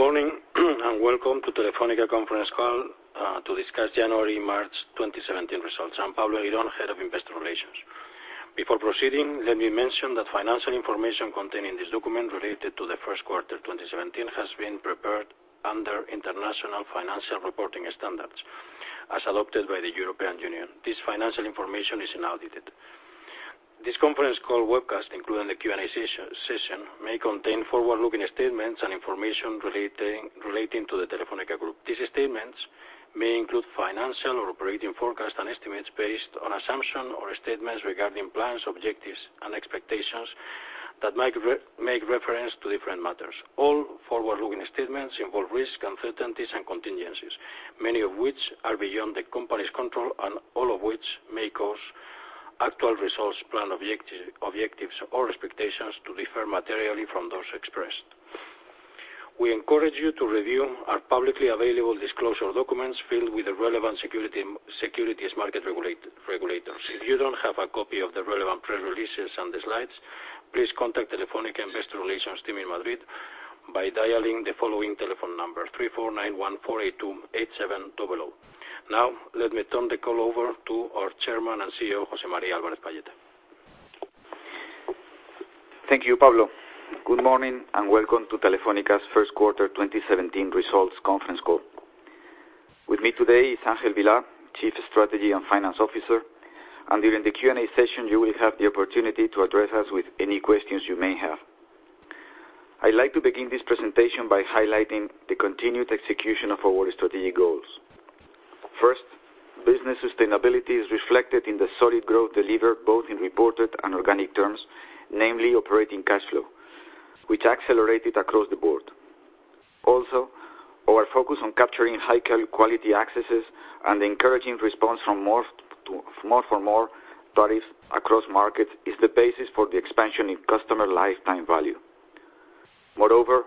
Good morning, and welcome to Telefónica conference call to discuss January-March 2017 results. I'm Pablo de Larrinoa, Head of Investor Relations. Let me mention that financial information contained in this document related to the first quarter 2017 has been prepared under International Financial Reporting Standards as adopted by the European Union. This financial information is unaudited. This conference call webcast, including the Q&A session, may contain forward-looking statements and information relating to the Telefónica Group. These statements may include financial or operating forecasts and estimates based on assumptions or statements regarding plans, objectives, and expectations that might make reference to different matters. All forward-looking statements involve risks, uncertainties, and contingencies, many of which are beyond the company's control and all of which may cause actual results, planned objectives or expectations to differ materially from those expressed. We encourage you to review our publicly available disclosure documents filed with the relevant securities market regulators. If you don't have a copy of the relevant press releases and the slides, please contact Telefónica Investor Relations Team in Madrid by dialing the following telephone number, 34914828700. Now, let me turn the call over to our Chairman and CEO, José María Álvarez-Pallete. Thank you, Pablo. Good morning, and welcome to Telefónica's first quarter 2017 results conference call. With me today is Ángel Vilá, Chief Strategy and Finance Officer, and during the Q&A session, you will have the opportunity to address us with any questions you may have. I'd like to begin this presentation by highlighting the continued execution of our strategic goals. First, business sustainability is reflected in the solid growth delivered, both in reported and organic terms, namely operating cash flow, which accelerated across the board. Also, our focus on capturing high-quality accesses and the encouraging response from More for More tariffs across markets is the basis for the expansion in customer lifetime value. Moreover,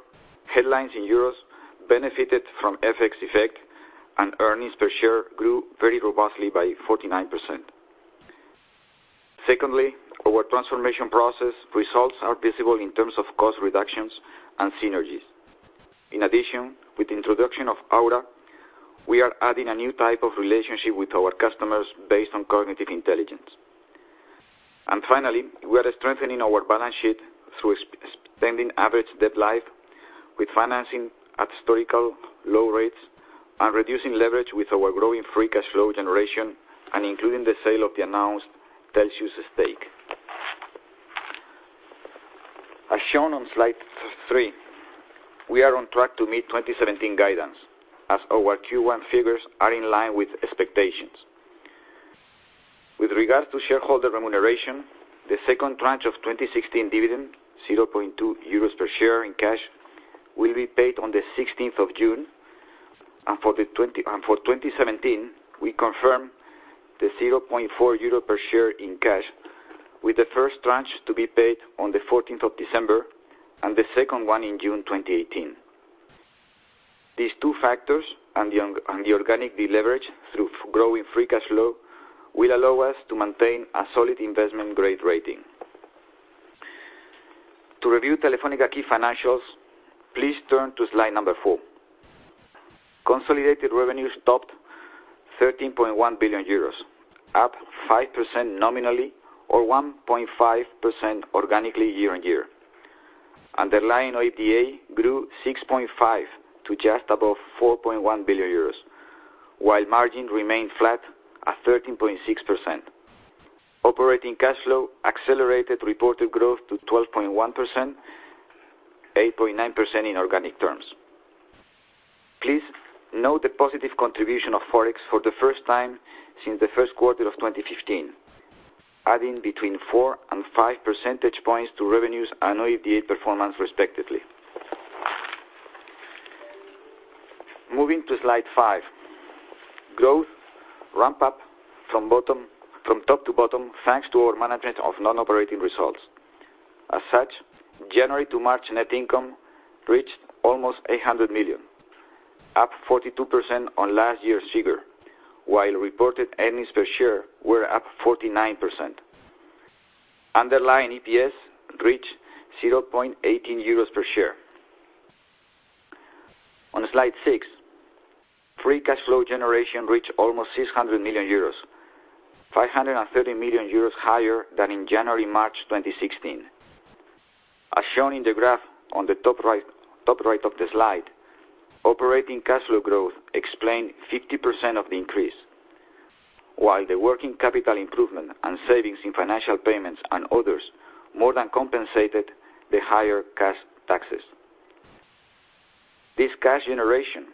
headlines in euros benefited from FX effect, and earnings per share grew very robustly by 49%. Secondly, our transformation process results are visible in terms of cost reductions and synergies. In addition, with the introduction of Aura, we are adding a new type of relationship with our customers based on cognitive intelligence. Finally, we are strengthening our balance sheet through extending average debt life with financing at historical low rates and reducing leverage with our growing free cash flow generation and including the sale of the announced Telxius stake. As shown on slide three, we are on track to meet 2017 guidance as our Q1 figures are in line with expectations. With regard to shareholder remuneration, the second tranche of 2016 dividend, 0.2 euros per share in cash, will be paid on the 16th of June, and for 2017, we confirm the 0.4 euro per share in cash, with the first tranche to be paid on the 14th of December and the second one in June 2018. These two factors, and the organic deleverage through growing free cash flow, will allow us to maintain a solid investment-grade rating. To review Telefónica key financials, please turn to slide number four. Consolidated revenues topped 13.1 billion euros, up 5% nominally or 1.5% organically year-on-year. Underlying OIBDA grew 6.5% to just above 4.1 billion euros, while margin remained flat at 13.6%. Operating cash flow accelerated reported growth to 12.1%, 8.9% in organic terms. Please note the positive contribution of FX for the first time since the first quarter of 2015, adding between 4 and 5 percentage points to revenues and OIBDA performance respectively. Moving to slide five. Growth ramped up from top to bottom, thanks to our management of non-operating results. As such, January to March net income reached almost 800 million, up 42% on last year's figure, while reported EPS were up 49%. Underlying EPS reached 0.18 euros per share. On slide six, free cash flow generation reached almost 600 million euros, 530 million euros higher than in January, March 2016. As shown in the graph on the top right of the slide, operating cash flow growth explained 50% of the increase, while the working capital improvement and savings in financial payments and others more than compensated the higher cash taxes. This cash generation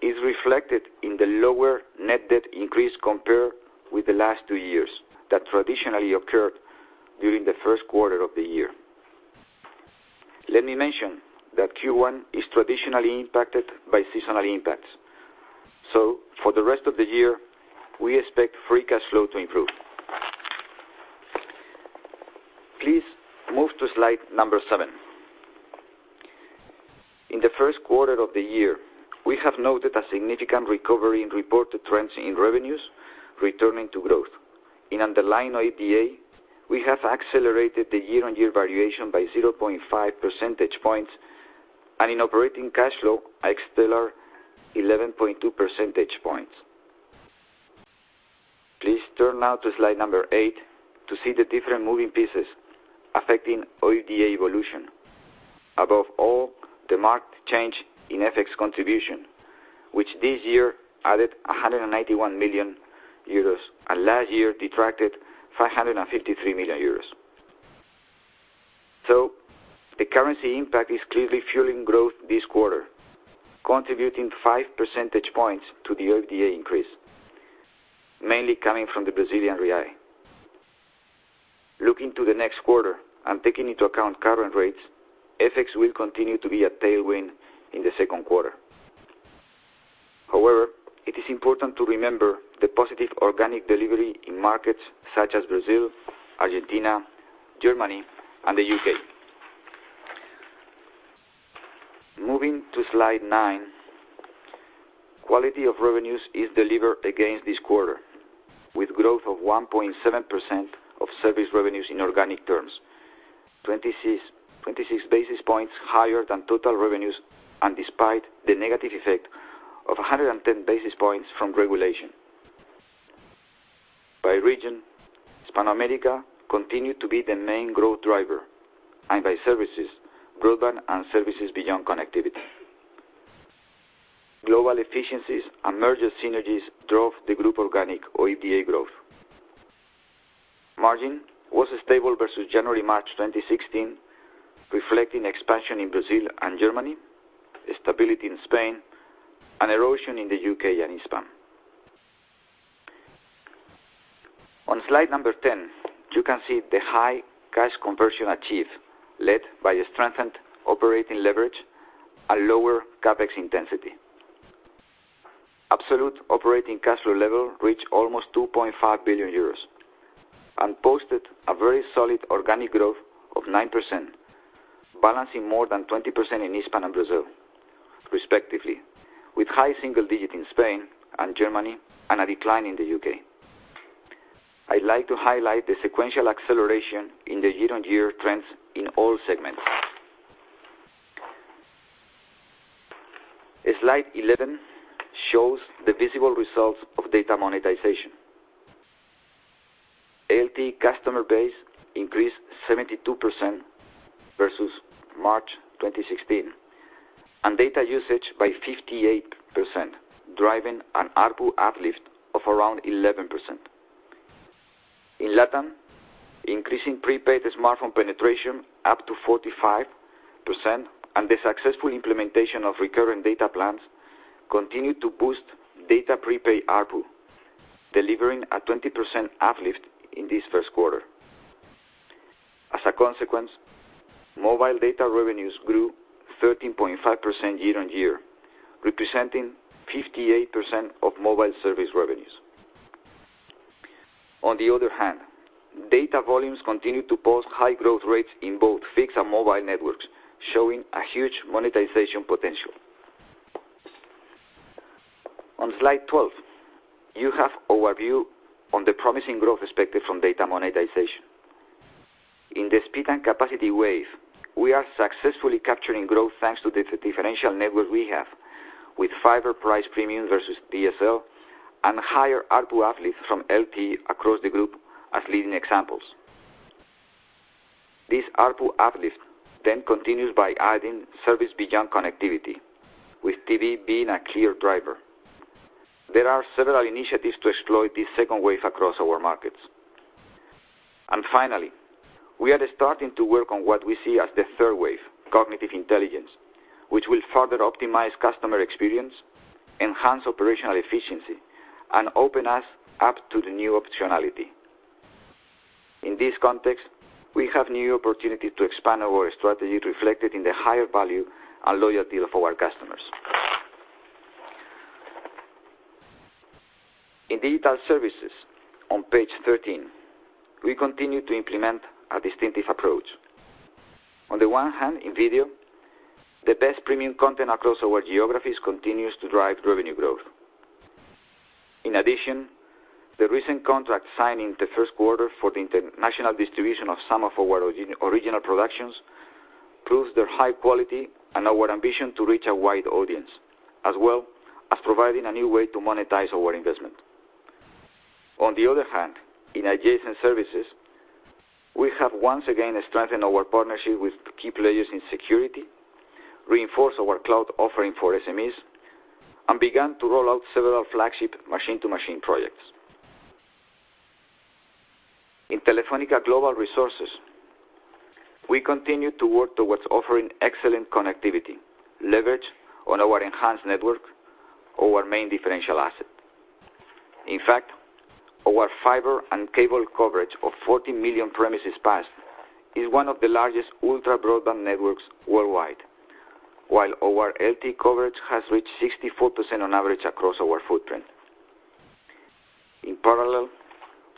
is reflected in the lower net debt increase compared with the last two years, that traditionally occurred during the first quarter of the year. Let me mention that Q1 is traditionally impacted by seasonal impacts. For the rest of the year, we expect free cash flow to improve. Please move to slide number seven. In the first quarter of the year, we have noted a significant recovery in reported trends in revenues returning to growth. In underlying OIBDA, we have accelerated the year-on-year variation by 0.5 percentage points, and in operating cash flow, a stellar 11.2 percentage points. Please turn now to slide number eight to see the different moving pieces affecting OIBDA evolution. Above all, the marked change in FX contribution, which this year added 181 million euros, and last year detracted 553 million euros. The currency impact is clearly fueling growth this quarter, contributing 5 percentage points to the OIBDA increase, mainly coming from the BRL. Looking to the next quarter and taking into account current rates, FX will continue to be a tailwind in the second quarter. However, it is important to remember the positive organic delivery in markets such as Brazil, Argentina, Germany, and the U.K. Moving to slide nine, quality of revenues is delivered again this quarter, with growth of 1.7% of service revenues in organic terms, 26 basis points higher than total revenues, and despite the negative effect of 110 basis points from regulation. By region, Hispanoamérica continued to be the main growth driver, and by services, broadband and services beyond connectivity. Global efficiencies and merger synergies drove the group organic OIBDA growth. Margin was stable versus January, March 2016, reflecting expansion in Brazil and Germany, stability in Spain, and erosion in the U.K. and Hispam. On slide number 10, you can see the high cash conversion achieved, led by a strengthened operating leverage and lower CapEx intensity. Absolute operating cash flow level reached almost 2.5 billion euros and posted a very solid organic growth of 9%, balancing more than 20% in Hispam and Brazil, respectively, with high single-digit in Spain and Germany and a decline in the U.K. I'd like to highlight the sequential acceleration in the year-on-year trends in all segments. Slide 11 shows the visible results of data monetization. LTE customer base increased 72% versus March 2016, and data usage by 58%, driving an ARPU uplift of around 11%. In LATAM, increasing prepaid smartphone penetration up to 45% and the successful implementation of recurring data plans continued to boost data prepaid ARPU, delivering a 20% uplift in this first quarter. As a consequence, mobile data revenues grew 13.5% year-on-year, representing 58% of mobile service revenues. On the other hand, data volumes continued to post high growth rates in both fixed and mobile networks, showing a huge monetization potential. On slide 12, you have overview on the promising growth expected from data monetization. In the speed and capacity wave, we are successfully capturing growth thanks to the differential network we have, with fiber price premium versus DSL and higher ARPU uplift from LTE across the group as leading examples. This ARPU uplift then continues by adding service beyond connectivity, with TV being a clear driver. There are several initiatives to exploit this second wave across our markets. Finally, we are starting to work on what we see as the third wave, cognitive intelligence, which will further optimize customer experience, enhance operational efficiency, and open us up to the new optionality. In this context, we have new opportunity to expand our strategy reflected in the higher value and loyalty of our customers. In digital services on page 13, we continue to implement a distinctive approach. On the one hand, in video, the best premium content across our geographies continues to drive revenue growth. In addition, the recent contract signed in the first quarter for the international distribution of some of our original productions proves their high quality and our ambition to reach a wide audience, as well as providing a new way to monetize our investment. On the other hand, in adjacent services, we have once again strengthened our partnership with key players in security, reinforced our cloud offering for SMEs, and began to roll out several flagship machine-to-machine projects. In Telefónica Global Solutions, we continue to work towards offering excellent connectivity, leverage on our enhanced network, our main differential asset. In fact, our fiber and cable coverage of 40 million premises passed is one of the largest ultra broadband networks worldwide, while our LTE coverage has reached 64% on average across our footprint. In parallel,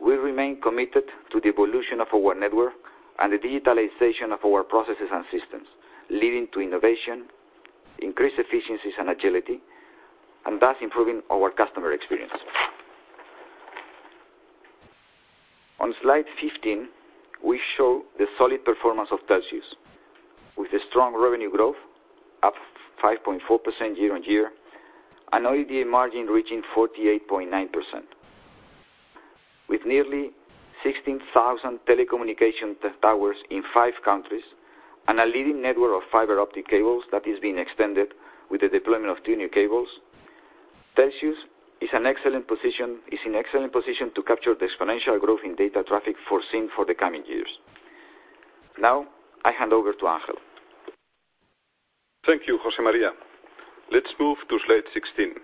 we remain committed to the evolution of our network and the digitalization of our processes and systems, leading to innovation, increased efficiencies and agility. Thus improving our customer experience. On slide 15, we show the solid performance of Telxius. With a strong revenue growth up 5.4% year-on-year, an OIBDA margin reaching 48.9%. With nearly 16,000 telecommunication towers in five countries and a leading network of fiber optic cables that is being extended with the deployment of two new cables, Telxius is in excellent position to capture the exponential growth in data traffic foreseen for the coming years. Now, I hand over to Ángel. Thank you, José María. Let's move to slide 16.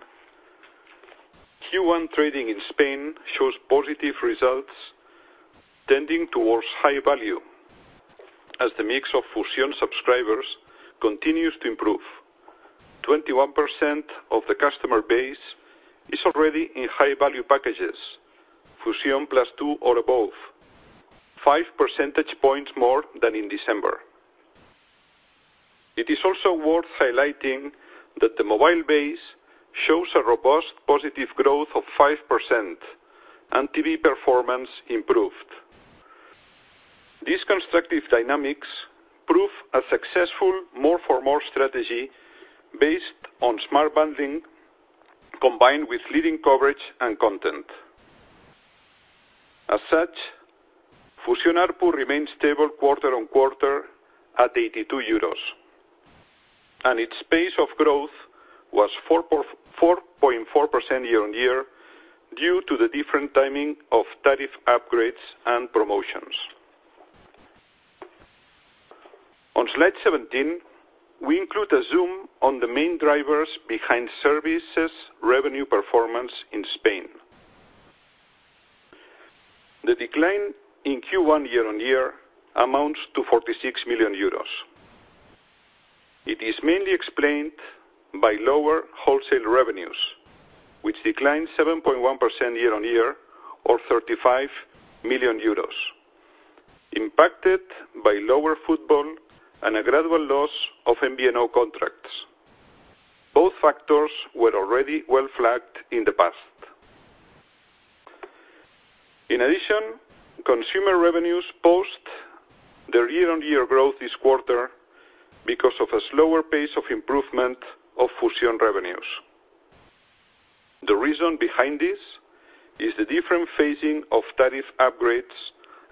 Q1 trading in Spain shows positive results tending towards high value, as the mix of Fusión subscribers continues to improve. 21% of the customer base is already in high value packages, Fusión Pro 2 or above, 5 percentage points more than in December. It is also worth highlighting that the mobile base shows a robust positive growth of 5% and TV performance improved. These constructive dynamics prove a successful more for more strategy based on smart bundling, combined with leading coverage and content. As such, Fusión ARPU remains stable quarter-on-quarter at 82 euros. Its pace of growth was 4.4% year-on-year due to the different timing of tariff upgrades and promotions. On slide 17, we include a zoom on the main drivers behind services revenue performance in Spain. The decline in Q1 year-on-year amounts to 46 million euros. It is mainly explained by lower wholesale revenues, which declined 7.1% year-on-year or 35 million euros, impacted by lower football and a gradual loss of MVNO contracts. Both factors were already well flagged in the past. Consumer revenues post their year-on-year growth this quarter because of a slower pace of improvement of Fusión revenues. The reason behind this is the different phasing of tariff upgrades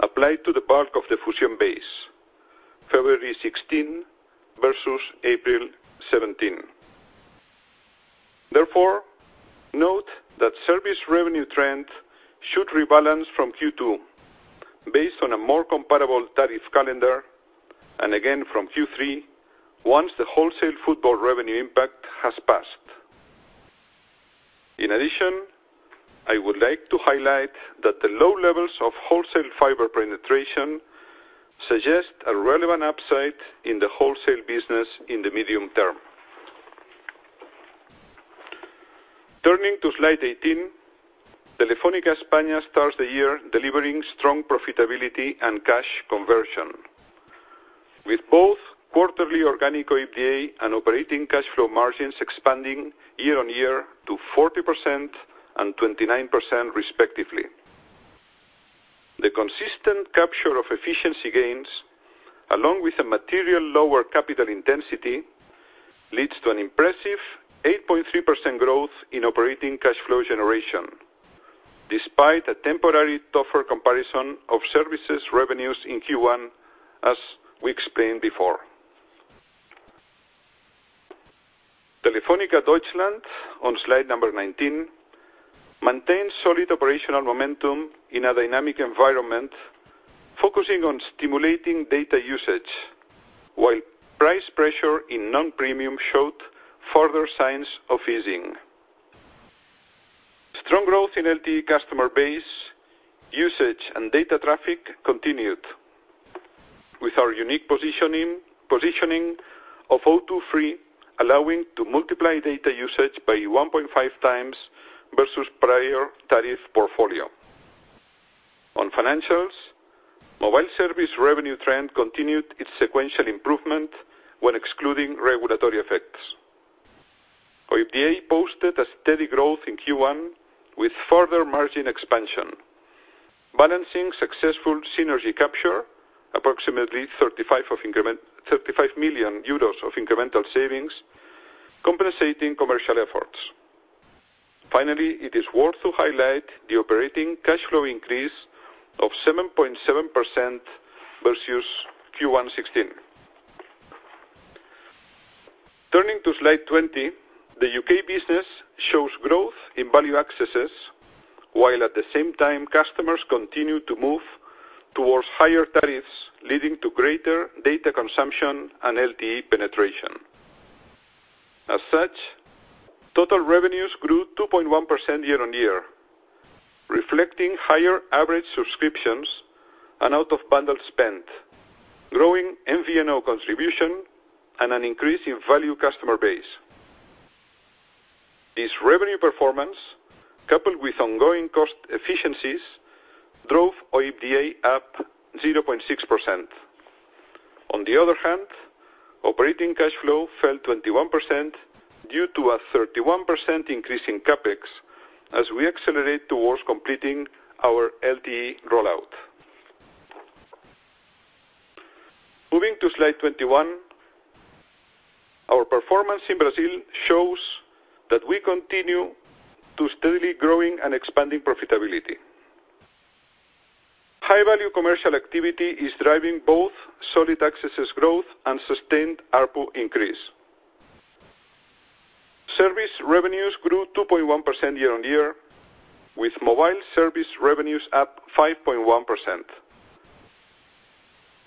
applied to the bulk of the Fusión base, February 2016 versus April 2017. Note that service revenue trend should rebalance from Q2 based on a more comparable tariff calendar and again from Q3 once the wholesale football revenue impact has passed. I would like to highlight that the low levels of wholesale fiber penetration suggest a relevant upside in the wholesale business in the medium term. Turning to slide 18, Telefónica España starts the year delivering strong profitability and cash conversion. With both quarterly organic OIBDA and operating cash flow margins expanding year-on-year to 40% and 29% respectively. The consistent capture of efficiency gains, along with a material lower capital intensity, leads to an impressive 8.3% growth in operating cash flow generation, despite a temporary tougher comparison of services revenues in Q1 as we explained before. Telefónica Deutschland on slide 19, maintains solid operational momentum in a dynamic environment, focusing on stimulating data usage, while price pressure in non-premium showed further signs of easing. Strong growth in LTE customer base usage and data traffic continued with our unique positioning of O2 Free, allowing to multiply data usage by 1.5 times versus prior tariff portfolio. Mobile service revenue trend continued its sequential improvement when excluding regulatory effects. OIBDA posted a steady growth in Q1 with further margin expansion, balancing successful synergy capture, approximately 35 million euros of incremental savings, compensating commercial efforts. It is worth to highlight the operating cash flow increase of 7.7% versus Q1 2016. Turning to slide 20, the U.K. business shows growth in value accesses, while at the same time, customers continue to move towards higher tariffs, leading to greater data consumption and LTE penetration. As such, total revenues grew 2.1% year-on-year, reflecting higher average subscriptions and out-of-bundle spend, growing MVNO contribution, and an increase in value customer base. This revenue performance, coupled with ongoing cost efficiencies, drove OIBDA up 0.6%. Operating cash flow fell 21% due to a 31% increase in CapEx as we accelerate towards completing our LTE rollout. Moving to slide 21, our performance in Brazil shows that we continue to steadily growing and expanding profitability. High-value commercial activity is driving both solid accesses growth and sustained ARPU increase. Service revenues grew 2.1% year-on-year, with mobile service revenues up 5.1%.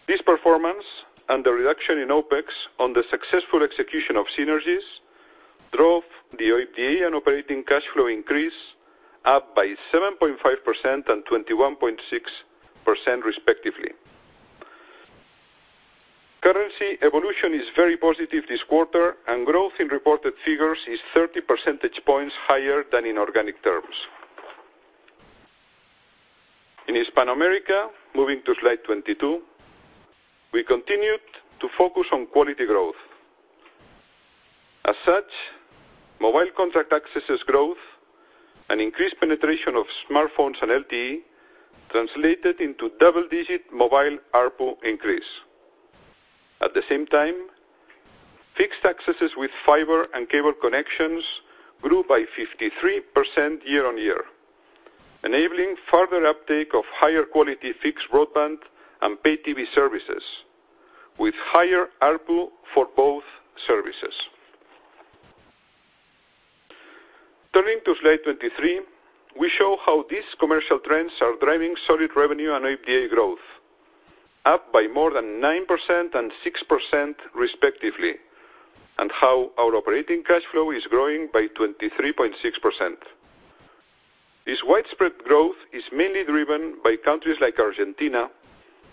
This performance and the reduction in OpEx on the successful execution of synergies drove the OIBDA and operating cash flow increase up by 7.5% and 21.6% respectively. Currency evolution is very positive this quarter, and growth in reported figures is 30 percentage points higher than in organic terms. In Hispanoamérica, moving to slide 22, we continued to focus on quality growth. As such, mobile contract accesses growth and increased penetration of smartphones and LTE translated into double-digit mobile ARPU increase. At the same time, fixed accesses with fiber and cable connections grew by 53% year-on-year, enabling further uptake of higher quality fixed broadband and pay TV services with higher ARPU for both services. Turning to slide 23, we show how these commercial trends are driving solid revenue and OIBDA growth, up by more than 9% and 6% respectively, and how our operating cash flow is growing by 23.6%. This widespread growth is mainly driven by countries like Argentina,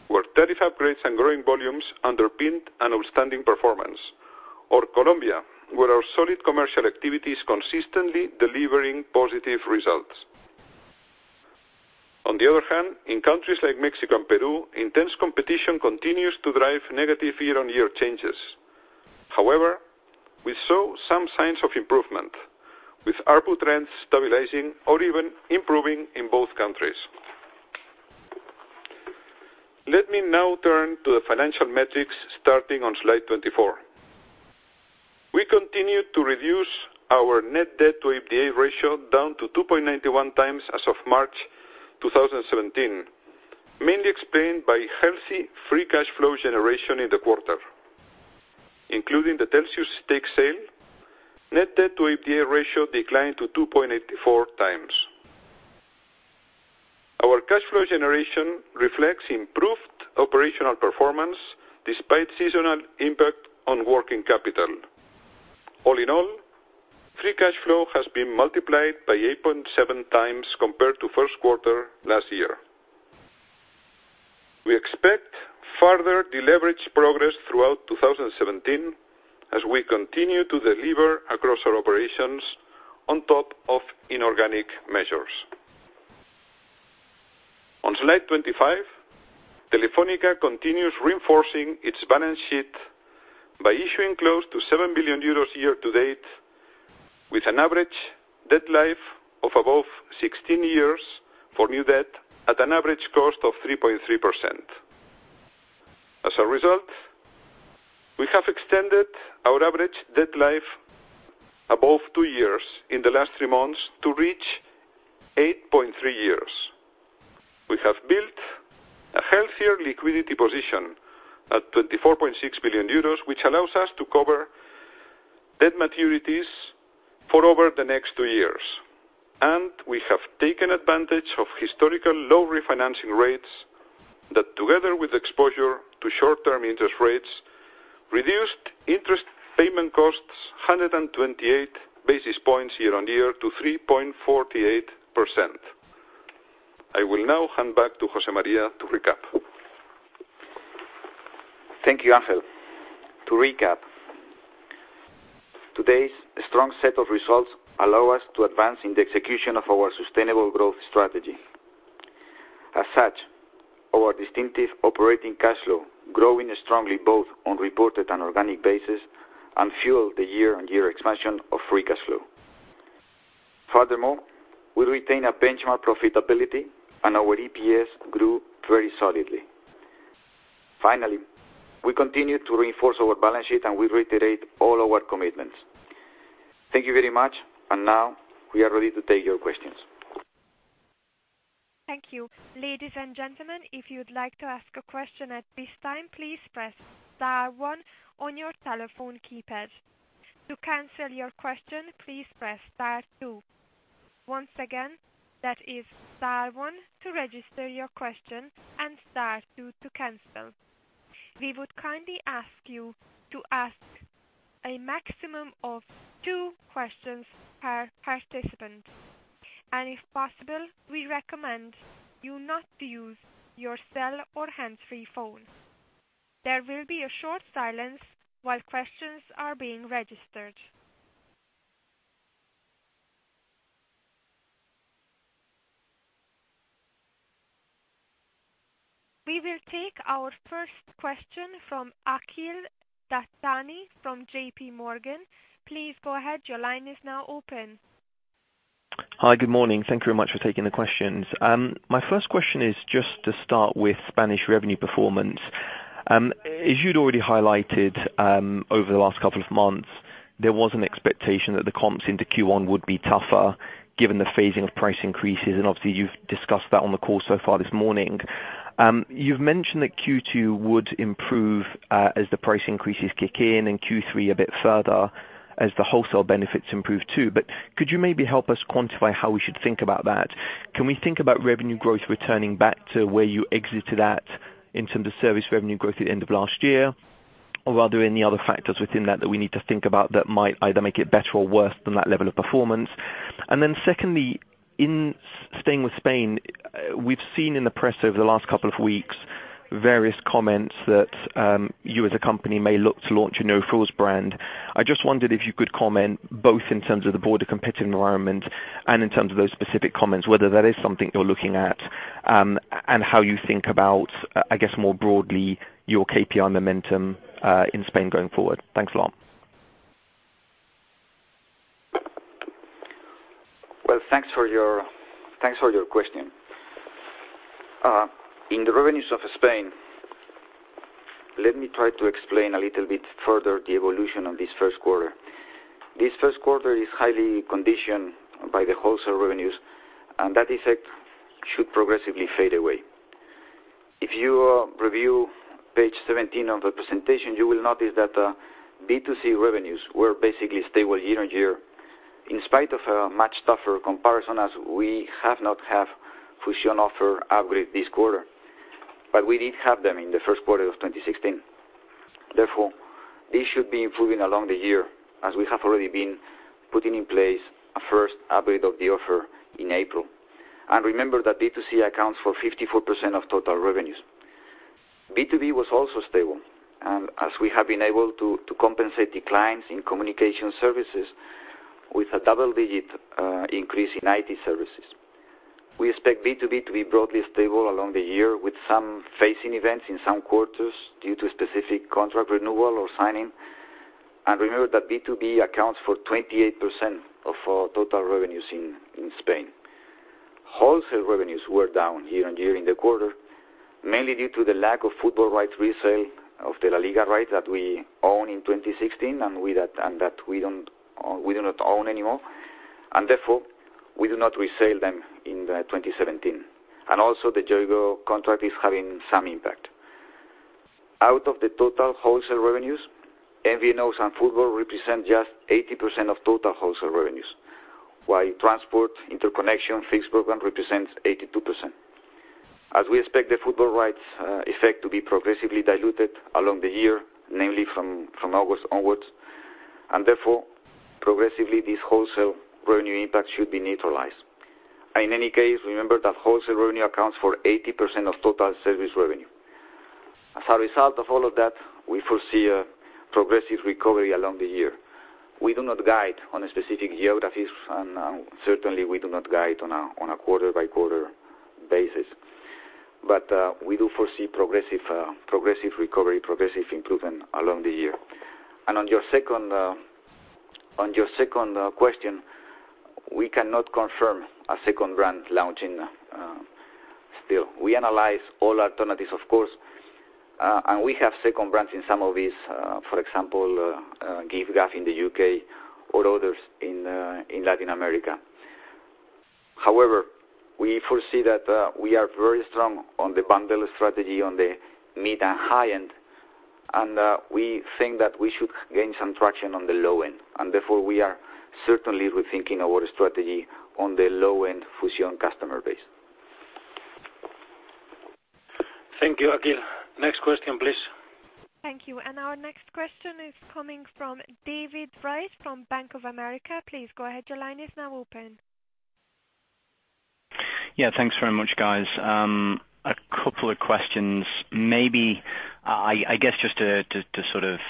where tariff upgrades and growing volumes underpinned an outstanding performance, or Colombia, where our solid commercial activity is consistently delivering positive results. On the other hand, in countries like Mexico and Peru, intense competition continues to drive negative year-on-year changes. However, we saw some signs of improvement, with ARPU trends stabilizing or even improving in both countries. Let me now turn to the financial metrics starting on slide 24. We continued to reduce our net debt to OIBDA ratio down to 2.91 times as of March 2017, mainly explained by healthy free cash flow generation in the quarter. Including the Telxius stake sale, net debt to OIBDA ratio declined to 2.84 times. Our cash flow generation reflects improved operational performance despite seasonal impact on working capital. All in all, free cash flow has been multiplied by 8.7 times compared to first quarter last year. We expect further deleverage progress throughout 2017 as we continue to deliver across our operations on top of inorganic measures. On slide 25, Telefónica continues reinforcing its balance sheet by issuing close to 7 billion euros year-to-date, with an average debt life of above 16 years for new debt at an average cost of 3.3%. As a result, we have extended our average debt life above two years in the last three months to reach 8.3 years. We have built a healthier liquidity position at 24.6 billion euros, which allows us to cover debt maturities for over the next two years. We have taken advantage of historical low refinancing rates that, together with exposure to short-term interest rates, reduced interest payment costs 128 basis points year-on-year to 3.48%. I will now hand back to José María to recap. Thank you, Ángel. To recap, today's strong set of results allow us to advance in the execution of our sustainable growth strategy. As such, our distinctive operating cash flow growing strongly both on reported and organic basis and fueled the year-on-year expansion of free cash flow. Furthermore, we retain a benchmark profitability, and our EPS grew very solidly. Finally, we continue to reinforce our balance sheet, and we reiterate all our commitments. Thank you very much. Now we are ready to take your questions. Thank you. Ladies and gentlemen, if you'd like to ask a question at this time, please press star one on your telephone keypad. To cancel your question, please press star two. Once again, that is star one to register your question and star two to cancel. We would kindly ask you to ask a maximum of two questions per participant. If possible, we recommend you not to use your cell or hands-free phone. There will be a short silence while questions are being registered. We will take our first question from Akhil Dattani from JPMorgan. Please go ahead. Your line is now open. Hi. Good morning. Thank you very much for taking the questions. My first question is just to start with Spanish revenue performance. As you'd already highlighted, over the last couple of months, there was an expectation that the comps into Q1 would be tougher given the phasing of price increases, and obviously you've discussed that on the call so far this morning. You've mentioned that Q2 would improve, as the price increases kick in, and Q3 a bit further as the wholesale benefits improve too. Could you maybe help us quantify how we should think about that? Can we think about revenue growth returning back to where you exited at in terms of service revenue growth at the end of last year? Are there any other factors within that we need to think about that might either make it better or worse than that level of performance? Secondly, in staying with Spain, we've seen in the press over the last couple of weeks, various comments that you as a company may look to launch a no-frills brand. I just wondered if you could comment both in terms of the broader competitive environment and in terms of those specific comments, whether that is something you're looking at, and how you think about, I guess more broadly, your KPI momentum in Spain going forward. Thanks a lot. Well, thanks for your question. In the revenues of Spain, let me try to explain a little bit further the evolution of this first quarter. This first quarter is highly conditioned by the wholesale revenues, that effect should progressively fade away. If you review page 17 of the presentation, you will notice that B2C revenues were basically stable year-over-year, in spite of a much tougher comparison as we have not have Fusión offer upgrade this quarter. We did have them in the first quarter of 2016. Therefore, this should be improving along the year as we have already been putting in place a first upgrade of the offer in April. Remember that B2C accounts for 54% of total revenues. B2B was also stable, as we have been able to compensate declines in communication services with a double-digit increase in IT services. We expect B2B to be broadly stable along the year with some phasing events in some quarters due to specific contract renewal or signing. Remember that B2B accounts for 28% of our total revenues in Spain. Wholesale revenues were down year-over-year in the quarter, mainly due to the lack of football rights resale of the La Liga rights that we owned in 2016, that we do not own anymore. Therefore, we do not resale them in 2017. Also, the Jazztel contract is having some impact. Out of the total wholesale revenues, MVNOs and football represent just 18% of total wholesale revenues, while transport, interconnection, fixed program represents 82%. As we expect the football rights effect to be progressively diluted along the year, namely from August onwards, progressively this wholesale revenue impact should be neutralized. In any case, remember that wholesale revenue accounts for 80% of total service revenue. As a result of all of that, we foresee a progressive recovery along the year. We do not guide on specific geographies, certainly we do not guide on a quarter-by-quarter basis. We do foresee progressive recovery, progressive improvement along the year. On your second question, we cannot confirm a second brand launch still. We analyze all alternatives, of course, we have second brands in some of these, for example, giffgaff in the U.K. or others in Latin America. However, we foresee that we are very strong on the bundle strategy on the mid and high end, we think that we should gain some traction on the low end, therefore we are certainly rethinking our strategy on the low-end Fusión customer base. Thank you, Akhil. Next question, please. Thank you. Our next question is coming from David Wright from Bank of America. Please go ahead. Your line is now open. Yeah. Thanks very much, guys. A couple of questions. Maybe, I guess, just to sort of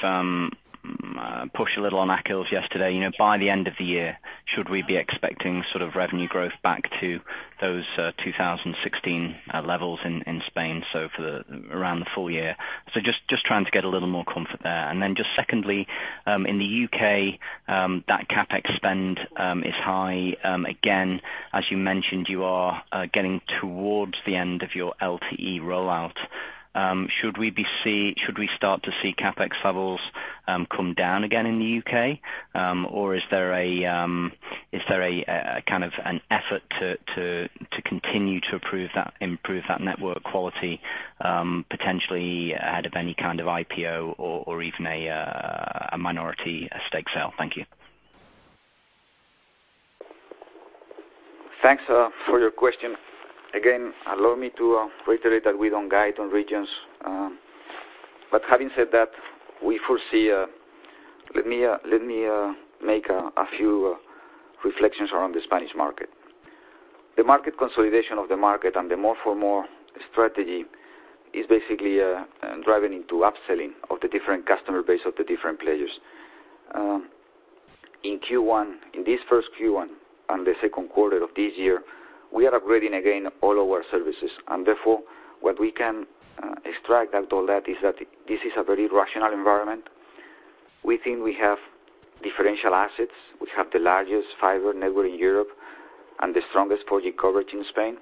push a little on Akhil's yesterday. By the end of the year, should we be expecting sort of revenue growth back to those 2016 levels in Spain, for around the full year? Just trying to get a little more comfort there. Secondly, in the U.K., that CapEx spend is high. Again, as you mentioned, you are getting towards the end of your LTE rollout. Should we start to see CapEx levels come down again in the U.K.? Is there a kind of an effort to continue to improve that network quality, potentially ahead of any kind of IPO or even a minority stake sale? Thank you. Thanks for your question. Again, allow me to reiterate that we don't guide on regions. Having said that, let me make a few reflections around the Spanish market. The market consolidation of the market and the more for more strategy is basically driving into upselling of the different customer base of the different players. In this first Q1, the second quarter of this year, we are upgrading again all our services. Therefore, what we can extract out all that is that this is a very rational environment. We think we have differential assets. We have the largest fiber network in Europe and the strongest 4G coverage in Spain,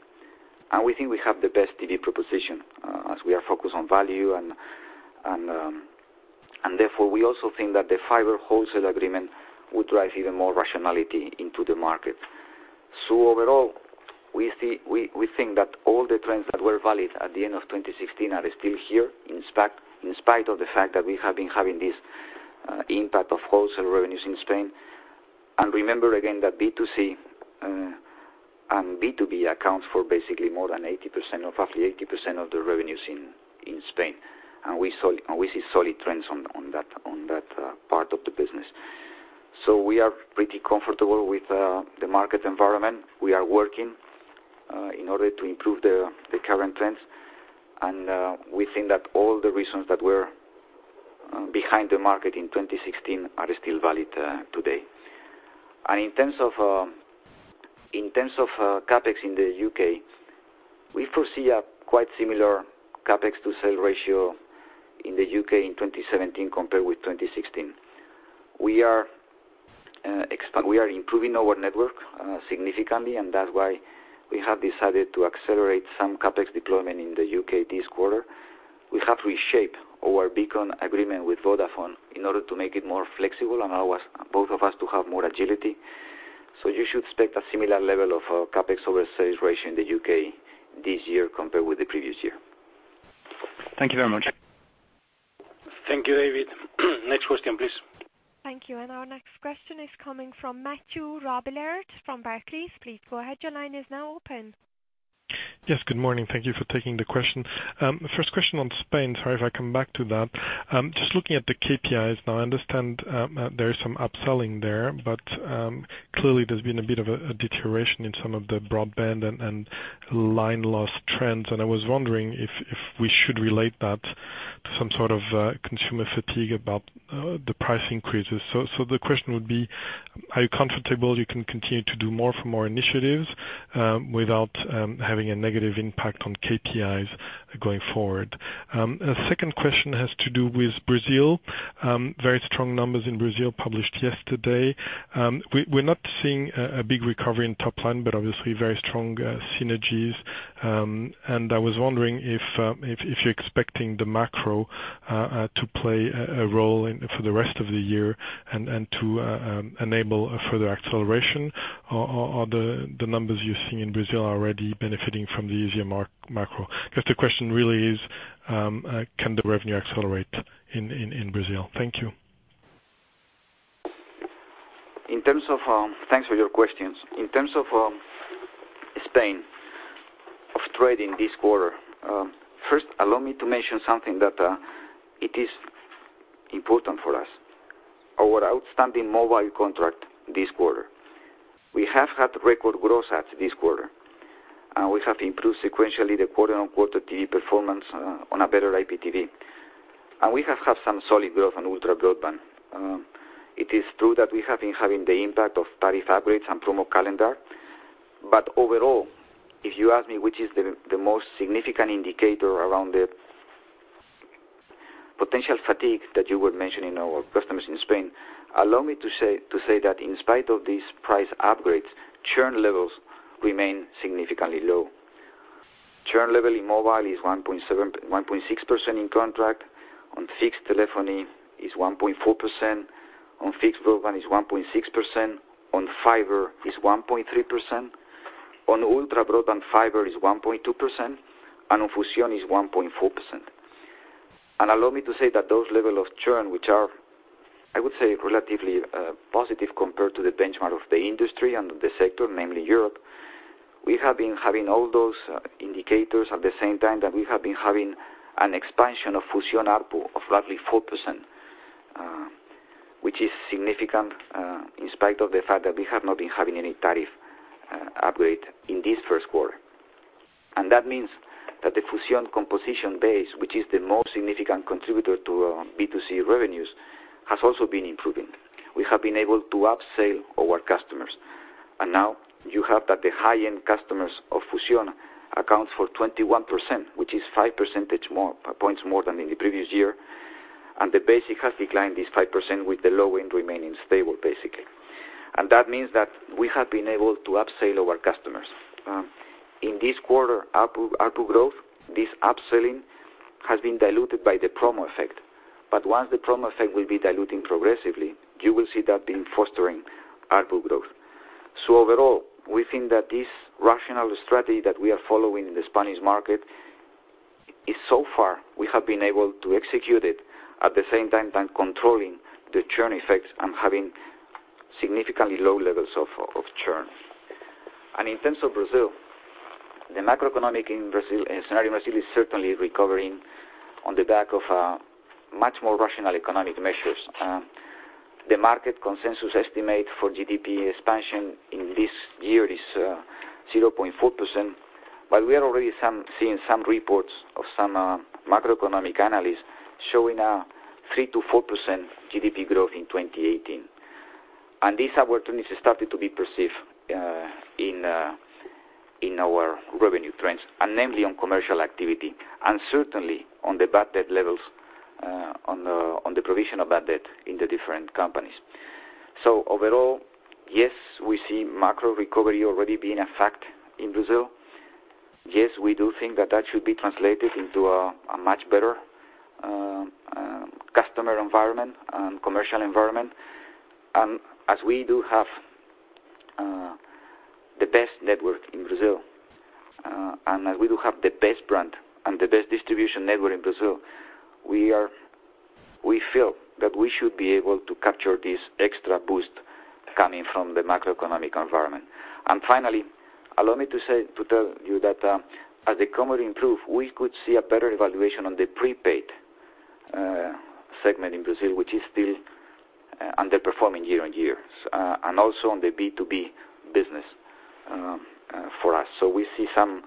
we think we have the best TV proposition, as we are focused on value. Therefore, we also think that the fiber wholesale agreement will drive even more rationality into the market. Overall, we think that all the trends that were valid at the end of 2016 are still here, in spite of the fact that we have been having this impact of wholesale revenues in Spain. Remember again, that B2C and B2B accounts for basically more than 80% of the revenues in Spain. We see solid trends on that part of the business. We are pretty comfortable with the market environment. We are working in order to improve the current trends. We think that all the reasons that were behind the market in 2016 are still valid today. In terms of CapEx in the U.K., we foresee a quite similar CapEx to sales ratio in the U.K. in 2017 compared with 2016. We are improving our network significantly, that's why we have decided to accelerate some CapEx deployment in the U.K. this quarter. We have reshaped our Beacon agreement with Vodafone in order to make it more flexible and allow us both of us to have more agility. You should expect a similar level of CapEx over sales ratio in the U.K. this year compared with the previous year. Thank you very much. Thank you, David. Next question, please. Thank you. Our next question is coming from Mathieu Robilliard from Barclays. Please go ahead. Your line is now open. Yes, good morning. Thank you for taking the question. First question on Spain, sorry if I come back to that. Just looking at the KPIs now, I understand there is some upselling there, but clearly there has been a bit of a deterioration in some of the broadband and line loss trends, and I was wondering if we should relate that to some sort of consumer fatigue about the price increases. The question would be, are you comfortable you can continue to do more for more initiatives, without having a negative impact on KPIs going forward? Second question has to do with Brazil. Very strong numbers in Brazil published yesterday. We are not seeing a big recovery in top line, but obviously very strong synergies. I was wondering if you are expecting the macro to play a role for the rest of the year and to enable a further acceleration, or the numbers you are seeing in Brazil are already benefiting from the easier macro. I guess the question really is, can the revenue accelerate in Brazil? Thank you. Thanks for your questions. In terms of Spain, of trading this quarter, first, allow me to mention something that it is important for us. Our outstanding mobile contract this quarter. We have had record gross adds this quarter. We have improved sequentially the quarter-on-quarter TV performance on a better IPTV. We have had some solid growth on ultra-broadband. It is true that we have been having the impact of tariff upgrades and promo calendar. Overall, if you ask me which is the most significant indicator around the potential fatigue that you were mentioning our customers in Spain, allow me to say that in spite of these price upgrades, churn levels remain significantly low. Churn level in mobile is 1.6% in contract. On fixed telephony is 1.4%. On fixed broadband is 1.6%. On fiber is 1.3%. On ultra-broadband fiber is 1.2%, and on Fusión is 1.4%. Allow me to say that those level of churn, which are, I would say, relatively positive compared to the benchmark of the industry and the sector, namely Europe. We have been having all those indicators at the same time that we have been having an expansion of Fusión ARPU of roughly 4%, which is significant, in spite of the fact that we have not been having any tariff upgrade in this first quarter. That means that the Fusión composition base, which is the most significant contributor to B2C revenues, has also been improving. We have been able to upsell our customers. Now you have that the high-end customers of Fusión accounts for 21%, which is 5 percentage points more than in the previous year. The basic has declined this 5% with the low-end remaining stable, basically. That means that we have been able to upsell our customers. In this quarter ARPU growth, this upselling has been diluted by the promo effect. Once the promo effect will be diluting progressively, you will see that being fostering ARPU growth. Overall, we think that this rational strategy that we are following in the Spanish market is so far, we have been able to execute it at the same time controlling the churn effects and having significantly low levels of churn. In terms of Brazil, the macroeconomic scenario in Brazil is certainly recovering on the back of much more rational economic measures. The market consensus estimate for GDP expansion in this year is 0.4%. We are already seeing some reports of some macroeconomic analysts showing a 3%-4% GDP growth in 2018. These opportunities started to be perceived in our revenue trends, namely on commercial activity, and certainly on the bad debt levels, on the provision of bad debt in the different companies. Overall, yes, we see macro recovery already being a fact in Brazil. Yes, we do think that that should be translated into a much better customer environment and commercial environment. As we do have the best network in Brazil, as we do have the best brand and the best distribution network in Brazil, we feel that we should be able to capture this extra boost coming from the macroeconomic environment. Finally, allow me to tell you that as the economy improve, we could see a better evaluation on the prepaid segment in Brazil, which is still underperforming year-on-year, and also on the B2B business for us. We see some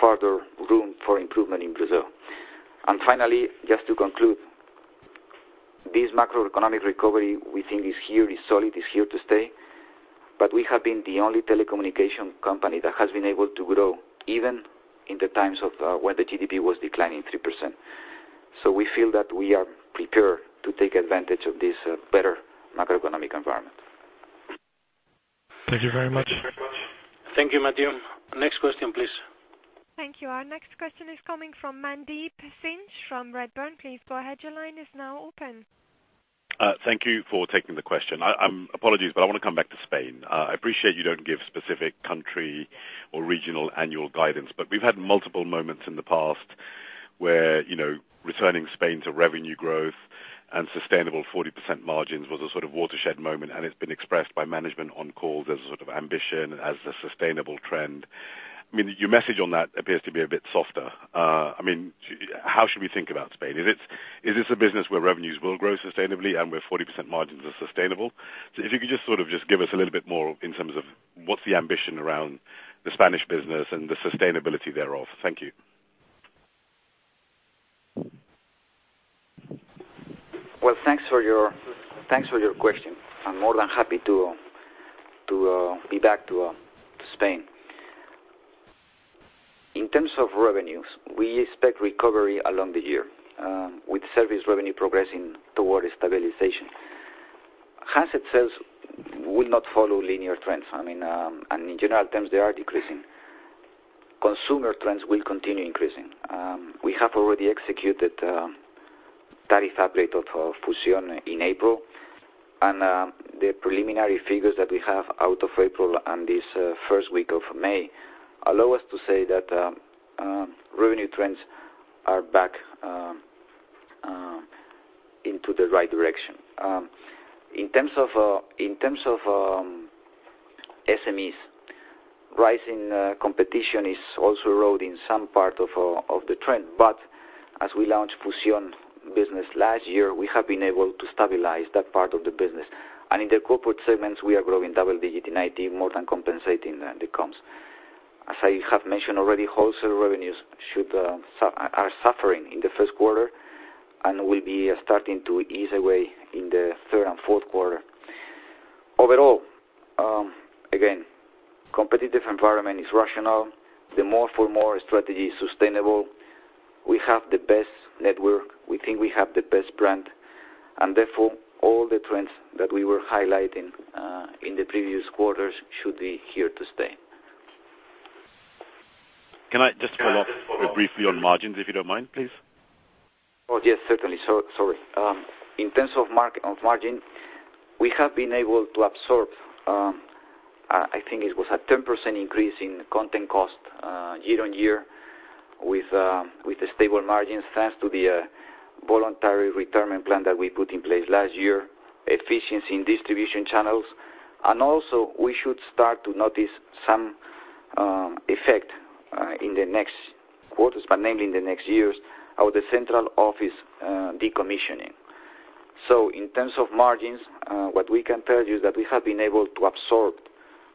further room for improvement in Brazil. Finally, just to conclude, this macroeconomic recovery we think is here, is solid, is here to stay. We have been the only telecommunication company that has been able to grow even in the times of when the GDP was declining 3%. We feel that we are prepared to take advantage of this better macroeconomic environment. Thank you very much. Thank you, Mathieu. Next question, please. Thank you. Our next question is coming from Mandeep Singh from Redburn. Please go ahead. Your line is now open. Thank you for taking the question. Apologies, I want to come back to Spain. I appreciate you don't give specific country or regional annual guidance, but we've had multiple moments in the past where returning Spain to revenue growth and sustainable 40% margins was a sort of watershed moment, and it's been expressed by management on calls as a sort of ambition, as a sustainable trend. Your message on that appears to be a bit softer. How should we think about Spain? Is this a business where revenues will grow sustainably and where 40% margins are sustainable? If you could just give us a little bit more in terms of what's the ambition around the Spanish business and the sustainability thereof. Thank you. Well, thanks for your question. I'm more than happy to be back to Spain. In terms of revenues, we expect recovery along the year, with service revenue progressing toward stabilization. Asset sales will not follow linear trends. In general terms, they are decreasing. Consumer trends will continue increasing. We have already executed tariff update of Fusión in April, and the preliminary figures that we have out of April and this first week of May allow us to say that revenue trends are back into the right direction. In terms of SMEs, rising competition is also eroding some part of the trend. But as we launched Fusión business last year, we have been able to stabilize that part of the business. In the corporate segments, we are growing double-digit in IT, more than compensating the comms. As I have mentioned already, wholesale revenues are suffering in the first quarter, and will be starting to ease away in the third and fourth quarter. Overall, again, competitive environment is rational. The more for more strategy is sustainable. We have the best network. We think we have the best brand, and therefore, all the trends that we were highlighting in the previous quarters should be here to stay. Can I just follow up very briefly on margins, if you don't mind, please? Yes, certainly. Sorry. In terms of margin, we have been able to absorb, I think it was a 10% increase in content cost year-on-year with stable margins, thanks to the voluntary retirement plan that we put in place last year, efficiency in distribution channels. Also we should start to notice some effect in the next quarters, but namely in the next years, our central office decommissioning. In terms of margins, what we can tell you is that we have been able to absorb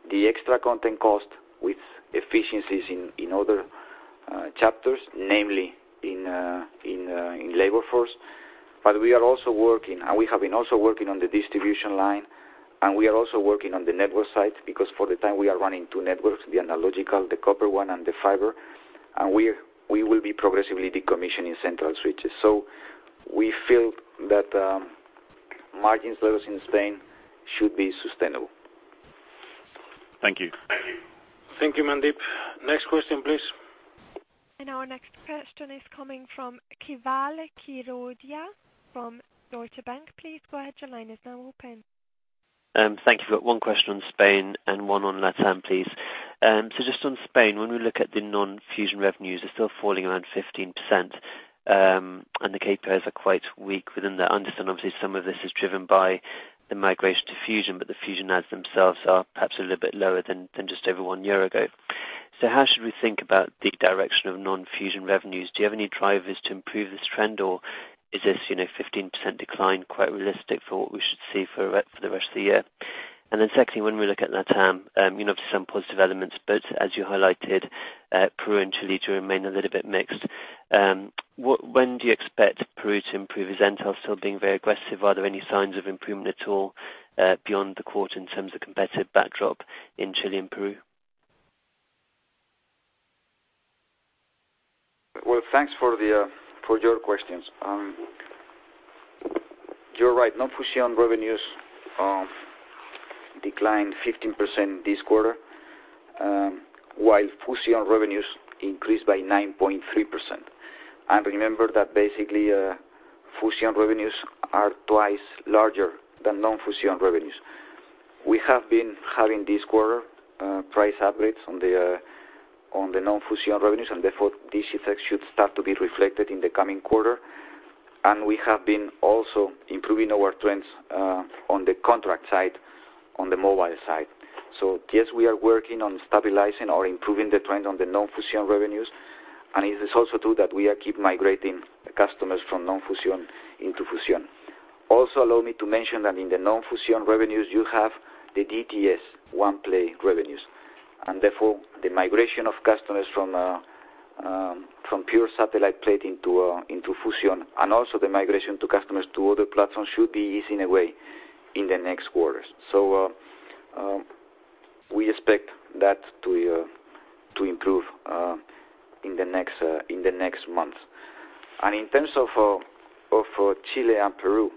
the extra content cost with efficiencies in other chapters, namely in labor force. We are also working, and we have been also working on the distribution line, and we are also working on the network side, because for the time we are running two networks, the analog, the copper one, and the fiber. We will be progressively decommissioning central switches. We feel that margins levels in Spain should be sustainable. Thank you. Thank you, Mandeep. Next question, please. Our next question is coming from Deutsche Bank. Please go ahead. Your line is now open. Thank you. One question on Spain and one on LatAm, please. Just on Spain, when we look at the non-Fusión revenues, they're still falling around 15%, and the KPIs are quite weak within there. I understand obviously some of this is driven by the migration to Fusión, but the Fusión adds themselves are perhaps a little bit lower than just over one year ago. How should we think about the direction of non-Fusión revenues? Do you have any drivers to improve this trend, or is this 15% decline quite realistic for what we should see for the rest of the year? Then secondly, when we look at LatAm, some positive elements, but as you highlighted, Peru and Chile do remain a little bit mixed. When do you expect Peru to improve? Is Entel still being very aggressive? Are there any signs of improvement at all beyond the quarter in terms of competitive backdrop in Chile and Peru? Well, thanks for your questions. You're right. Non-Fusión revenues declined 15% this quarter, while Fusión revenues increased by 9.3%. Remember that basically, Fusión revenues are twice larger than non-Fusión revenues. We have been having this quarter price upgrades on the non-Fusión revenues, and therefore this effect should start to be reflected in the coming quarter. We have been also improving our trends on the contract side, on the mobile side. Yes, we are working on stabilizing or improving the trend on the non-Fusión revenues. It is also true that we keep migrating the customers from non-Fusión into Fusión. Also, allow me to mention that in the non-Fusión revenues, you have the DTS One Play revenues, and therefore the migration of customers from pure satellite pay into Fusión, and also the migration to customers to other platforms should be easing away in the next quarters. We expect that to improve in the next months. In terms of Chile and Peru,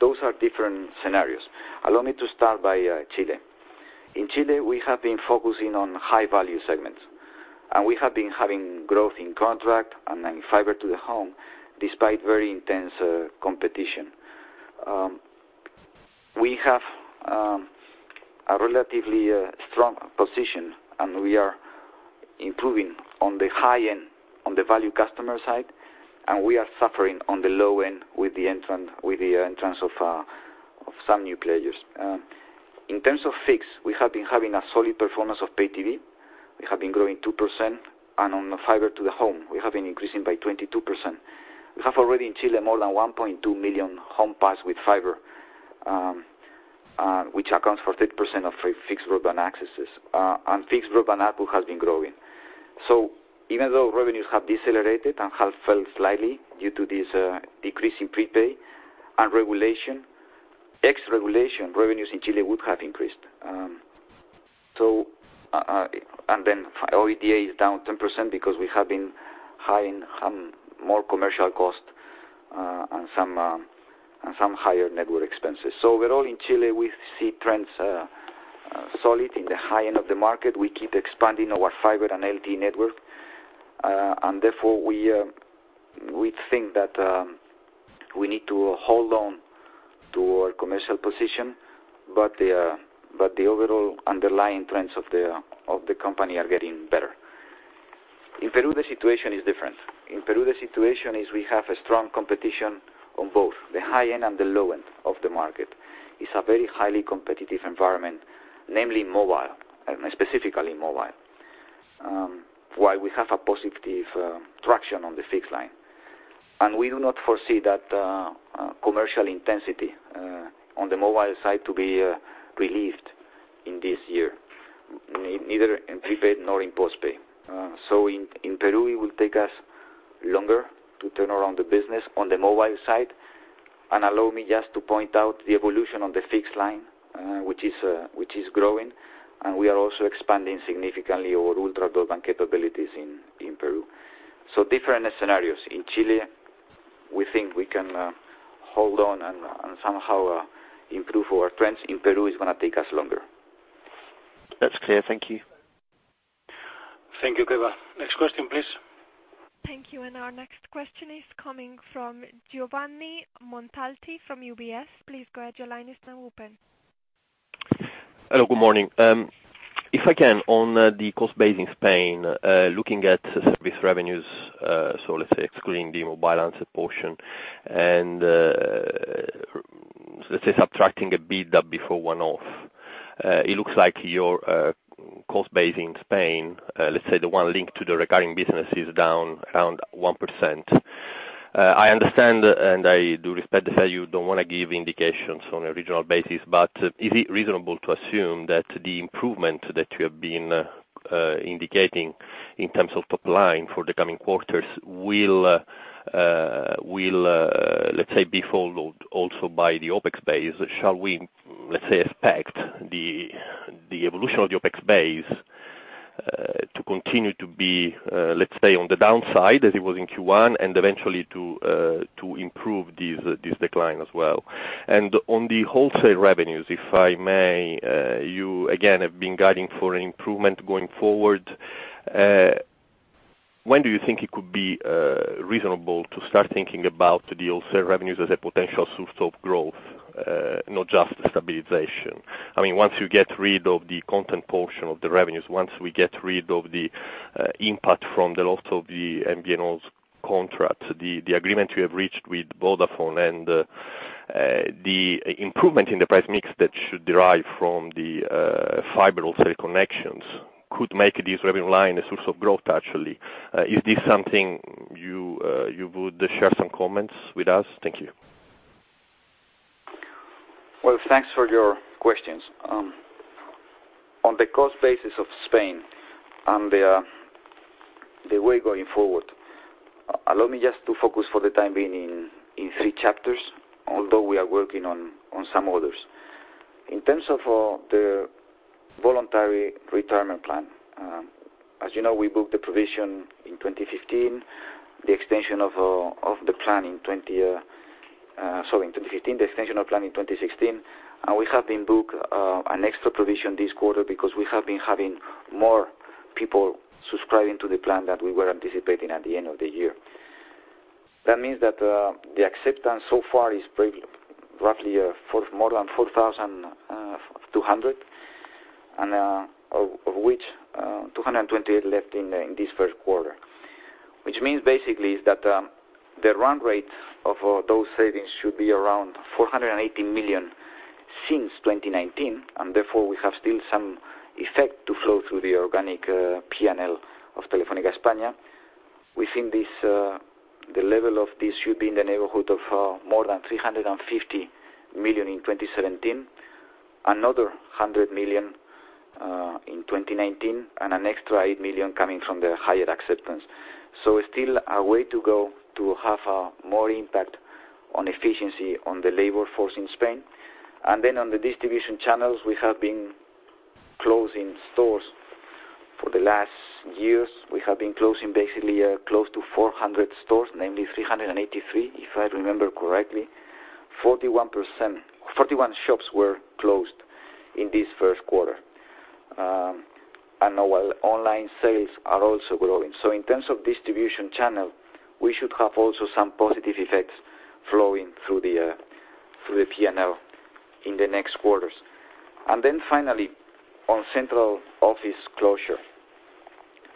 those are different scenarios. Allow me to start by Chile. In Chile, we have been focusing on high-value segments, and we have been having growth in contract and in fiber-to-the-home, despite very intense competition. We have a relatively strong position, and we are improving on the high end, on the value customer side, and we are suffering on the low end with the entrance of some new players. In terms of fixed, we have been having a solid performance of pay TV. We have been growing 2%, and on the fiber-to-the-home, we have been increasing by 22%. We have already in Chile more than 1.2 million home passed with fiber, which accounts for 30% of fixed broadband accesses. Fixed broadband ARPU has been growing. Even though revenues have decelerated and have fell slightly due to this decrease in prepaid and regulation, ex regulation, revenues in Chile would have increased. OIBDA is down 10% because we have been higher in more commercial cost and some higher network expenses. Overall in Chile, we see trends solid in the high end of the market. We keep expanding our fiber and LTE network. Therefore we think that we need to hold on to our commercial position, but the overall underlying trends of the company are getting better. In Peru, the situation is different. In Peru, the situation is we have a strong competition on both the high end and the low end of the market. It's a very highly competitive environment, namely mobile, specifically mobile. We have a positive traction on the fixed line. We do not foresee that commercial intensity on the mobile side to be relieved in this year, neither in prepaid nor in postpaid. In Peru, it will take us longer to turn around the business on the mobile side. Allow me just to point out the evolution on the fixed line, which is growing. We are also expanding significantly our ultra broadband capabilities in Peru. Different scenarios. In Chile, we think we can hold on and somehow improve our trends. In Peru, it's going to take us longer. That's clear. Thank you. Thank you, Trevor. Next question, please. Thank you. Our next question is coming from Giovanni Montalti from UBS. Please go ahead. Your line is now open. Hello, good morning. If I can, on the cost base in Spain, looking at service revenues, so let's say excluding the mobile subportion, and let's say subtracting OIBDA before one-off, it looks like your cost base in Spain, let's say the one linked to the recurring business, is down around 1%. I understand, and I do respect that you don't want to give indications on a regional basis, is it reasonable to assume that the improvement that you have been indicating in terms of top line for the coming quarters will, let's say, be followed also by the OpEx base? Shall we, let's say, expect the evolution of the OpEx base to continue to be, let's say, on the downside as it was in Q1, and eventually to improve this decline as well? On the wholesale revenues, if I may, you again have been guiding for improvement going forward. When do you think it could be reasonable to start thinking about the wholesale revenues as a potential source of growth, not just stabilization? Once you get rid of the content portion of the revenues, once we get rid of the impact from the loss of the MVNOs contract, the agreement you have reached with Vodafone and the improvement in the price mix that should derive from the fiber wholesale connections could make this revenue line a source of growth, actually. Is this something you would share some comments with us. Thank you. Well, thanks for your questions. On the cost basis of Spain and the way going forward, allow me just to focus for the time being in three chapters, although we are working on some others. In terms of the voluntary retirement plan, as you know, we booked the provision in 2015, the extension of the plan in 2016. We have been book an extra provision this quarter because we have been having more people subscribing to the plan than we were anticipating at the end of the year. That means that the acceptance so far is roughly more than 4,200, and of which 228 left in this first quarter. Which means basically is that the run rate of those savings should be around 480 million since 2019, and therefore we have still some effect to flow through the organic P&L of Telefónica España. Within this, the level of this should be in the neighborhood of more than 350 million in 2017, another 100 million in 2019, and an extra 8 million coming from the higher acceptance. Still a way to go to have a more impact on efficiency on the labor force in Spain. On the distribution channels, we have been closing stores for the last years. We have been closing basically close to 400 stores, namely 383, if I remember correctly, 41 shops were closed in this first quarter. Online sales are also growing. In terms of distribution channel, we should have also some positive effects flowing through the P&L in the next quarters. Finally, on central office closure.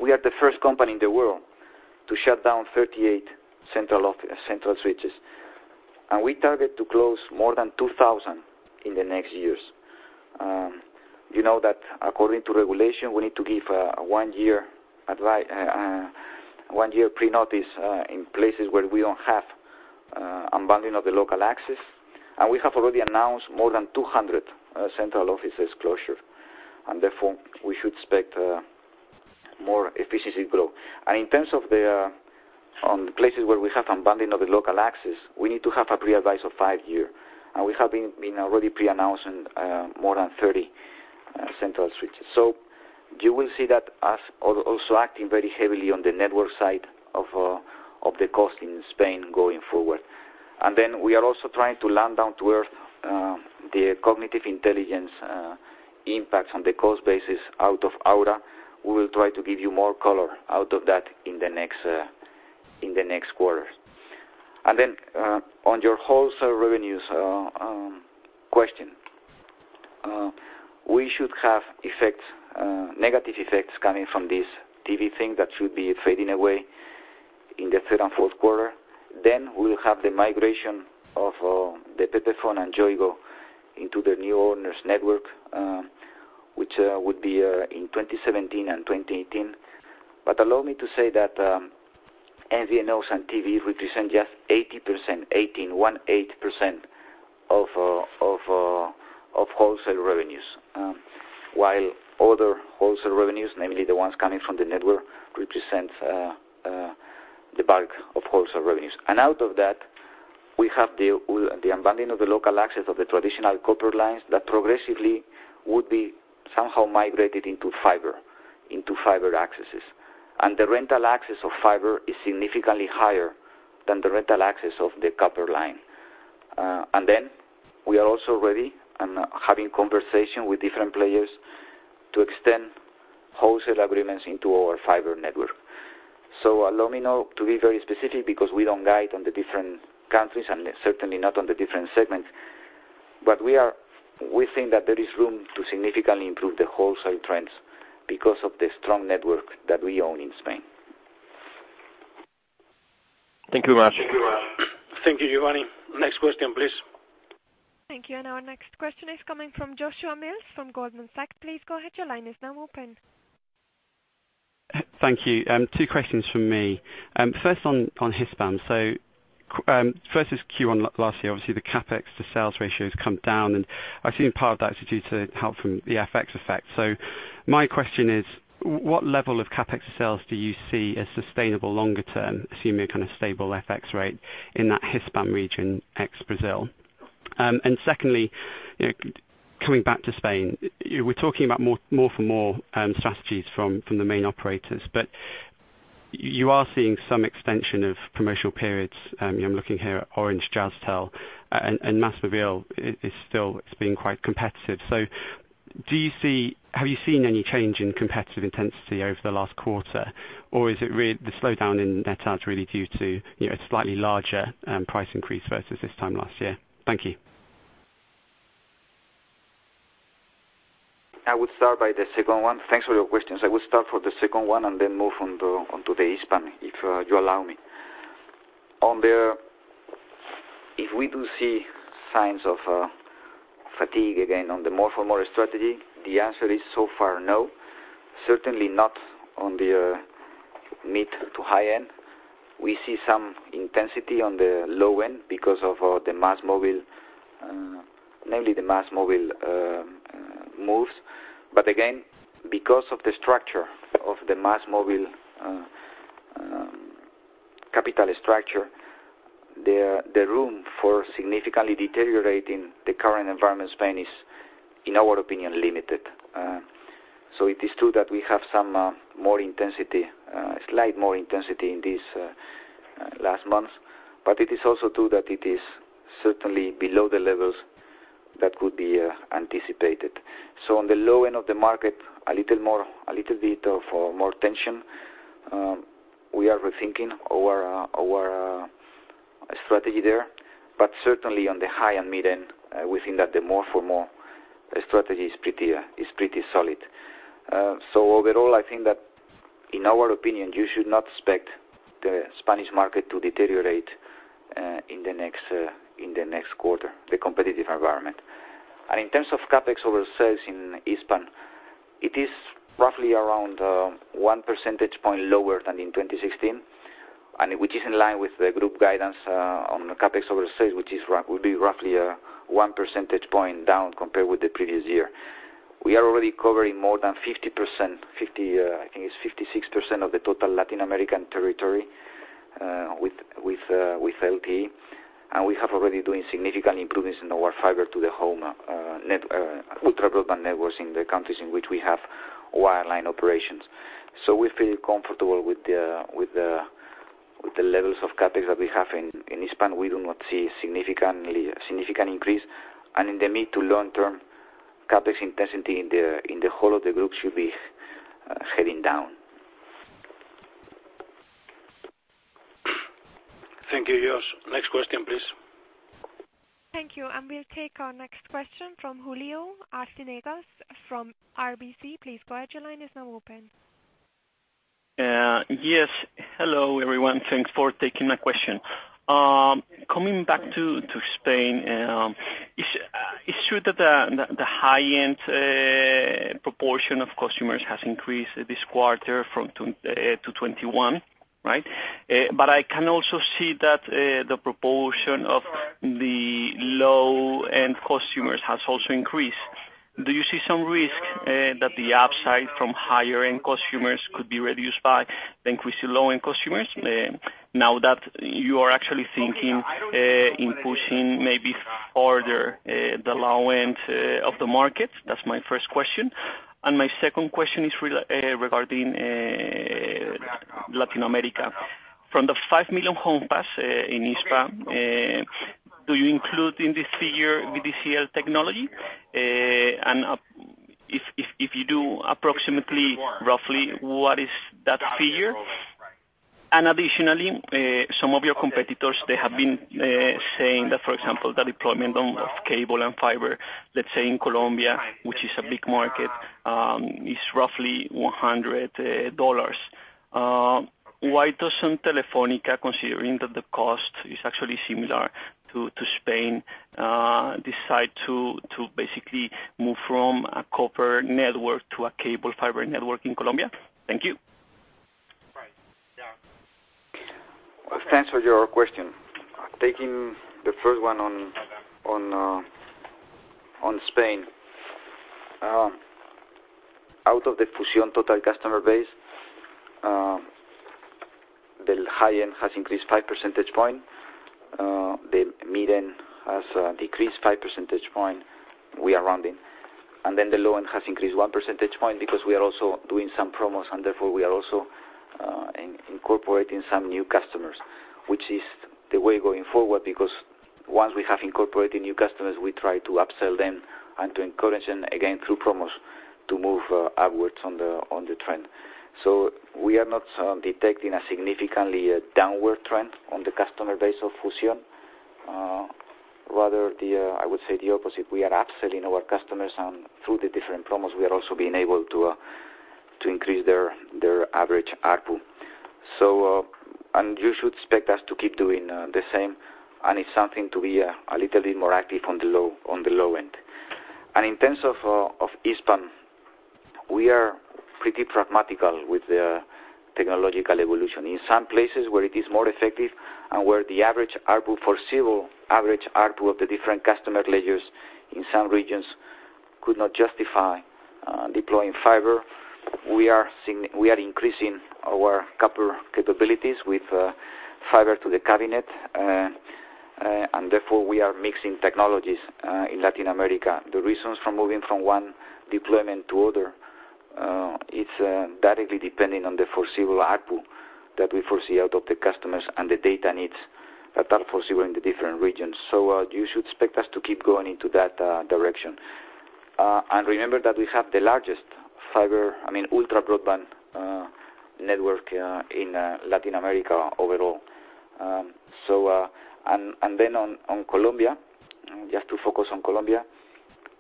We are the first company in the world to shut down 38 central switches. We target to close more than 2,000 in the next years. You know that according to regulation, we need to give one year pre-notice in places where we don't have unbundling of the local access. We have already announced more than 200 central offices closure, and therefore we should expect more efficiency growth. In terms of the places where we have unbundling of the local access, we need to have a pre-advice of five year. We have been already pre-announcing more than 30 central switches. You will see that us also acting very heavily on the network side of the cost in Spain going forward. We are also trying to land down to earth, the cognitive intelligence impacts on the cost basis out of Aura. We will try to give you more color out of that in the next quarters. On your wholesale revenues question. We should have negative effects coming from this TV thing that should be fading away in the third and fourth quarter. We'll have the migration of the Pepephone and Yoigo into the new owners network, which would be in 2017 and 2018. Allow me to say that MVNOs and TV represent just 18% of wholesale revenues. While other wholesale revenues, namely the ones coming from the network, represent the bulk of wholesale revenues. Out of that, we have the unbundling of the local access of the traditional copper lines that progressively would be somehow migrated into fiber accesses. The rental access of fiber is significantly higher than the rental access of the copper line. We are also ready and having conversation with different players to extend wholesale agreements into our fiber network. Allow me now to be very specific because we don't guide on the different countries and certainly not on the different segments. We think that there is room to significantly improve the wholesale trends because of the strong network that we own in Spain. Thank you much. Thank you, Giovanni. Next question, please. Thank you. Our next question is coming from Joshua Mills from Goldman Sachs. Please go ahead. Your line is now open. Thank you. Two questions from me. First on Hispan. First is Q1 last year, obviously the CapEx to sales ratio has come down, and I have seen part of that is due to help from the FX effect. My question is, what level of CapEx to sales do you see as sustainable longer term, assuming a stable FX rate in that Hispan region, ex-Brazil? Secondly, coming back to Spain, we are talking about more for more strategies from the main operators. You are seeing some extension of promotional periods. I am looking here at Orange, Jazztel, and MásMóvil is still being quite competitive. Have you seen any change in competitive intensity over the last quarter? Is it really the slowdown in net adds really due to a slightly larger price increase versus this time last year? Thank you. I would start by the second one. Thanks for your questions. I will start for the second one and then move on to the Hispan, if you allow me. If we do see signs of fatigue again on the more for more strategy, the answer is so far no. Certainly not on the mid to high end. We see some intensity on the low end because of the MásMóvil, namely the MásMóvil moves. Again, because of the structure of the MásMóvil capital structure, the room for significantly deteriorating the current environment in Spain is, in our opinion, limited. It is true that we have some more intensity, slight more intensity in these last months, but it is also true that it is certainly below the levels that could be anticipated. On the low end of the market, a little bit more tension. We are rethinking our strategy there, certainly on the high and mid end, we think that the more for more strategy is pretty solid. Overall, I think that in our opinion, you should not expect the Spanish market to deteriorate in the next quarter, the competitive environment. In terms of CapEx over sales in Hispan, it is roughly around one percentage point lower than in 2016. Which is in line with the group guidance, on the CapEx over sales, which would be roughly one percentage point down compared with the previous year. We are already covering more than 50%, I think it's 56% of the total Latin American territory, with LTE. We have already doing significant improvements in our fiber-to-the-home, ultra broadband networks in the countries in which we have wireline operations. We feel comfortable with the levels of CapEx that we have in Hispan. We do not see significant increase. In the mid to long term, CapEx intensity in the whole of the group should be heading down. Thank you, Josh. Next question, please. Thank you. We'll take our next question from Julio Arciniegas from RBC. Please go ahead, your line is now open. Yes. Hello, everyone. Thanks for taking my question. Coming back to Spain, it's true that the high-end proportion of customers has increased this quarter to 21%, right? I can also see that the proportion of the low-end customers has also increased. Do you see some risk that the upside from higher-end consumers could be reduced by the increasing low-end customers now that you are actually thinking, in pushing maybe further, the low end of the market? That's my first question. My second question is regarding Latin America. From the 5 million home pass in Hispan, do you include in this figure VDSL technology? If you do, approximately roughly what is that figure? Additionally, some of your competitors, they have been saying that, for example, the deployment of cable and fiber, let's say in Colombia, which is a big market, is roughly EUR 100. Why doesn't Telefónica, considering that the cost is actually similar to Spain, decide to basically move from a copper network to a cable fiber network in Colombia? Thank you. Thanks for your question. Taking the first one on Spain. Out of the Fusión total customer base, the high end has increased five percentage points. The mid end has decreased five percentage points. We are rounding. The low end has increased one percentage point because we are also doing some promos and therefore we are also incorporating some new customers, which is the way going forward. Because once we have incorporated new customers, we try to upsell them and to encourage them, again, through promos, to move upwards on the trend. We are not detecting a significantly downward trend on the customer base of Fusión. Rather, I would say the opposite. We are upselling our customers and through the different promos, we are also being able to increase their average ARPU. You should expect us to keep doing the same, and it's something to be a little bit more active on the low end. In terms of Hispan, we are pretty pragmatic with the technological evolution. In some places where it is more effective and where the average ARPU foreseeable, average ARPU of the different customer layers in some regions could not justify deploying fiber. We are increasing our copper capabilities with fiber to the cabinet. Therefore we are mixing technologies in Latin America. The reasons for moving from one deployment to other, it's directly depending on the foreseeable ARPU that we foresee out of the customers and the data needs that are foreseeable in the different regions. You should expect us to keep going into that direction. Remember that we have the largest fiber, I mean ultra broadband network in Latin America overall. On Colombia, just to focus on Colombia.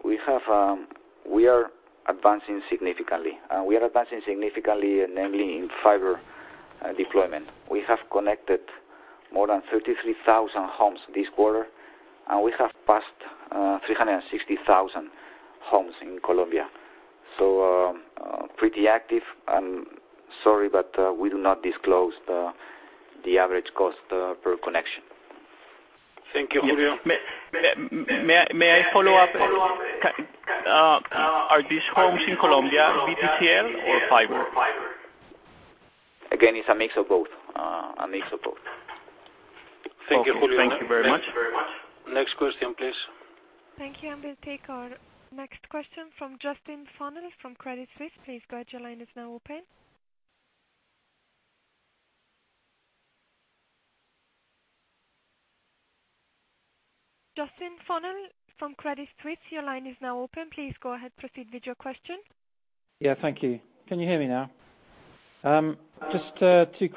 We are advancing significantly, and we are advancing significantly namely in fiber deployment. We have connected more than 33,000 homes this quarter, and we have passed 360,000 homes in Colombia. Pretty active. I'm sorry, but we do not disclose the average cost per connection. Thank you, Julio. May I follow up? Are these homes in Colombia VDSL or fiber? Again, it's a mix of both. Thank you, Julio. Thank you very much. Next question, please. Thank you. We'll take our next question from Justin Fennell from Credit Suisse. Please go ahead. Your line is now open. Justin Fennell from Credit Suisse, your line is now open. Please go ahead. Proceed with your question. Yeah. Thank you. Can you hear me now? Just two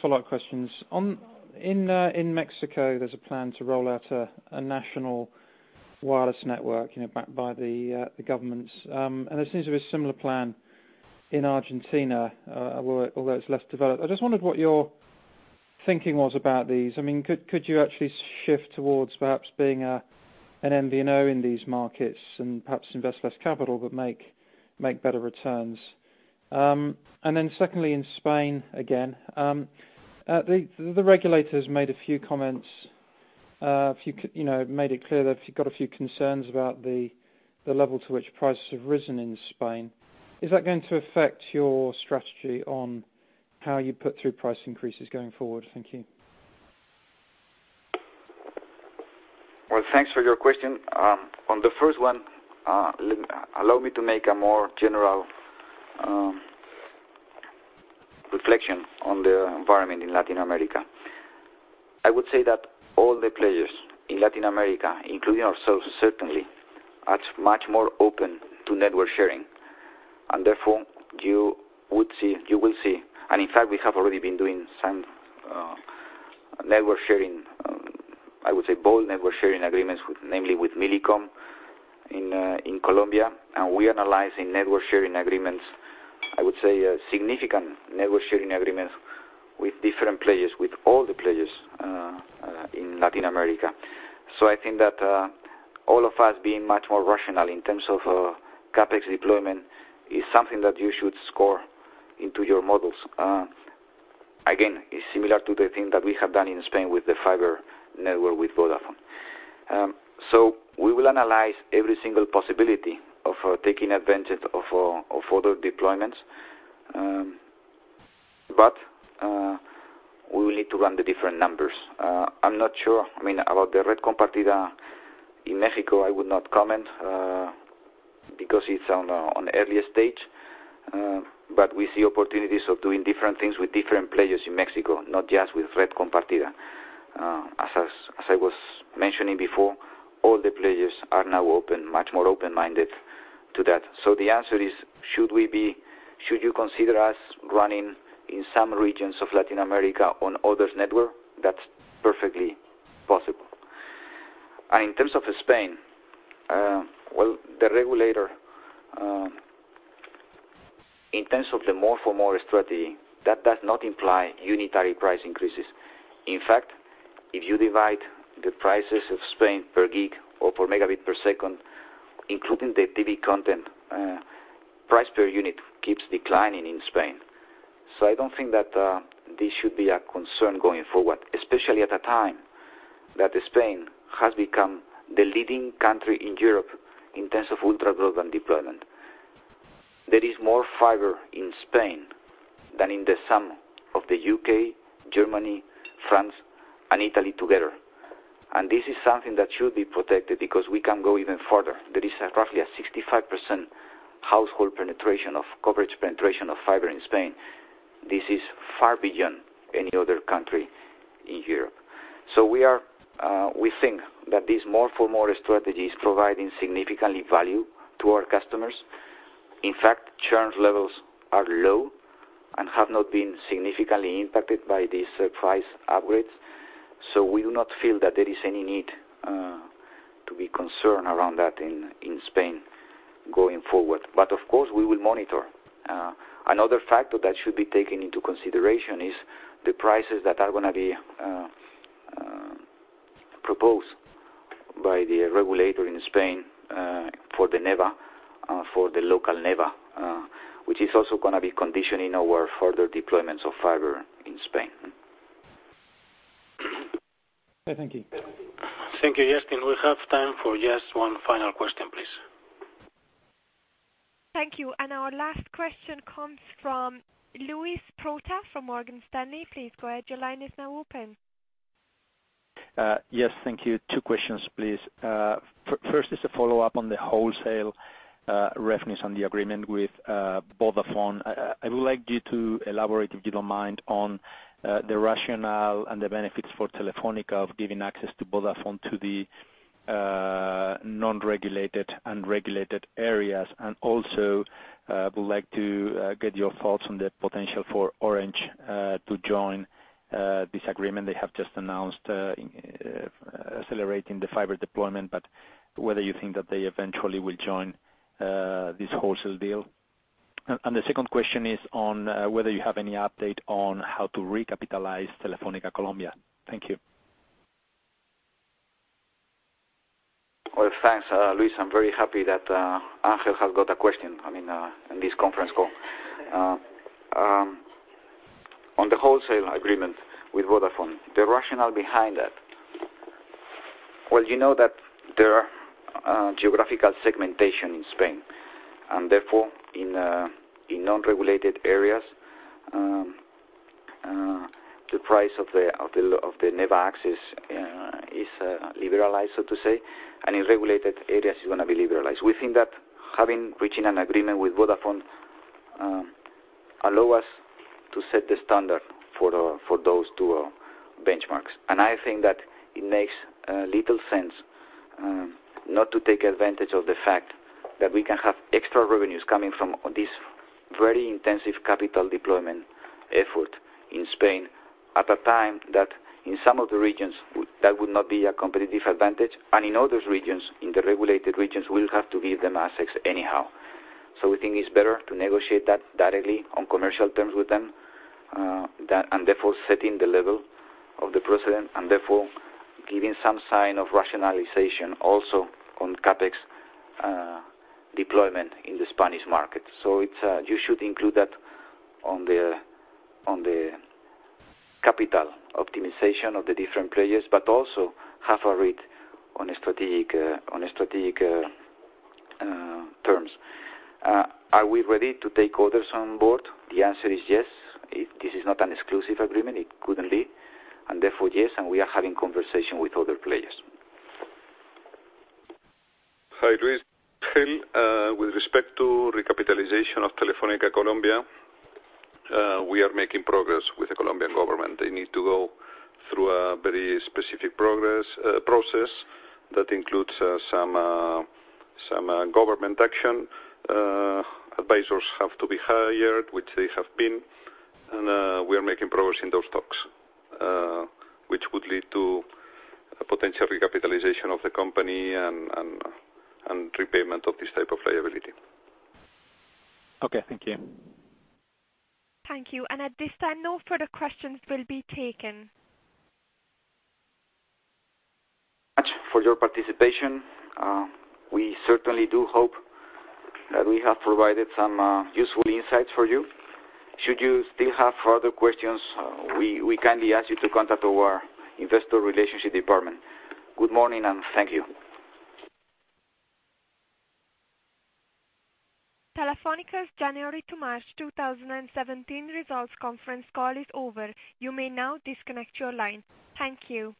follow-up questions. In Mexico, there's a plan to roll out a national wireless network backed by the government. There seems to be a similar plan in Argentina, although it's less developed. I just wondered what your thinking was about these. Could you actually shift towards perhaps being an MVNO in these markets and perhaps invest less capital but make better returns? Secondly, in Spain, again, the regulators made a few comments, made it clear they've got a few concerns about the level to which prices have risen in Spain. Is that going to affect your strategy on how you put through price increases going forward? Thank you. Thanks for your question. On the first one, allow me to make a more general reflection on the environment in Latin America. I would say that all the players in Latin America, including ourselves, certainly, are much more open to network sharing. Therefore, you will see, and in fact, we have already been doing some network sharing, I would say bold network sharing agreements, namely with Millicom in Colombia, and we are analyzing network sharing agreements, I would say, significant network sharing agreements with different players, with all the players in Latin America. I think that all of us being much more rational in terms of CapEx deployment is something that you should score into your models. Again, it is similar to the thing that we have done in Spain with the fiber network with Vodafone. We will analyze every single possibility of taking advantage of other deployments. We will need to run the different numbers. I am not sure. About the Red Compartida in Mexico, I would not comment, because it is on an earlier stage. We see opportunities of doing different things with different players in Mexico, not just with Red Compartida. As I was mentioning before, all the players are now much more open-minded to that. The answer is, should you consider us running in some regions of Latin America on other's network? That is perfectly possible. In terms of Spain, well, the regulator, in terms of the More for More strategy, that does not imply unitary price increases. In fact, if you divide the prices of Spain per gig or per megabit per second, including the TV content, price per unit keeps declining in Spain. I do not think that this should be a concern going forward, especially at a time that Spain has become the leading country in Europe in terms of ultra-broadband deployment. There is more fiber in Spain than in the sum of the U.K., Germany, France, and Italy together, and this is something that should be protected because we can go even further. There is roughly a 65% household penetration of coverage, penetration of fiber in Spain. This is far beyond any other country in Europe. We think that this More for More strategy is providing significant value to our customers. In fact, churn levels are low and have not been significantly impacted by these price upgrades. We do not feel that there is any need to be concerned around that in Spain going forward. Of course, we will monitor. Another factor that should be taken into consideration is the prices that are going to be proposed by the regulator in Spain for the NEBA, for the local NEBA, which is also going to be conditioning our further deployments of fiber in Spain. Thank you. Thank you, Justin. We have time for just one final question, please. Thank you. Our last question comes from Luis Prota from Morgan Stanley. Please go ahead. Your line is now open. Yes. Thank you. Two questions, please. First is a follow-up on the wholesale reference on the agreement with Vodafone. I would like you to elaborate, if you don't mind, on the rationale and the benefits for Telefónica of giving access to Vodafone to the non-regulated and regulated areas. Also, would like to get your thoughts on the potential for Orange to join this agreement. They have just announced accelerating the fiber deployment, but whether you think that they eventually will join this wholesale deal. The second question is on whether you have any update on how to recapitalize Telefónica Colombia. Thank you. Well, thanks, Luis. I'm very happy that Ángel has got a question in this conference call. On the wholesale agreement with Vodafone, the rationale behind that, well, you know that there are geographical segmentation in Spain. Therefore, in non-regulated areas, the price of the NEBA access is liberalized, so to say, and in regulated areas, it's going to be liberalized. We think that reaching an agreement with Vodafone allow us to set the standard for those two benchmarks. I think that it makes little sense not to take advantage of the fact that we can have extra revenues coming from this very intensive capital deployment effort in Spain at a time that in some of the regions, that would not be a competitive advantage, and in other regions, in the regulated regions, we'll have to give them access anyhow. We think it's better to negotiate that directly on commercial terms with them, therefore, setting the level of the precedent, therefore, giving some sign of rationalization also on CapEx deployment in the Spanish market. You should include that on the capital optimization of the different players, but also have a read on strategic terms. Are we ready to take others on board? The answer is yes. This is not an exclusive agreement. It couldn't be. Therefore, yes, we are having conversation with other players. Hi, Luis. With respect to recapitalization of Telefónica Colombia, we are making progress with the Colombian government. They need to go through a very specific process that includes some government action. Advisors have to be hired, which they have been, we are making progress in those talks, which would lead to a potential recapitalization of the company and repayment of this type of liability. Okay, thank you. Thank you. At this time, no further questions will be taken. Much for your participation. We certainly do hope that we have provided some useful insights for you. Should you still have further questions, we kindly ask you to contact our Investor Relations department. Good morning, and thank you. Telefónica's January to March 2017 results conference call is over. You may now disconnect your line. Thank you.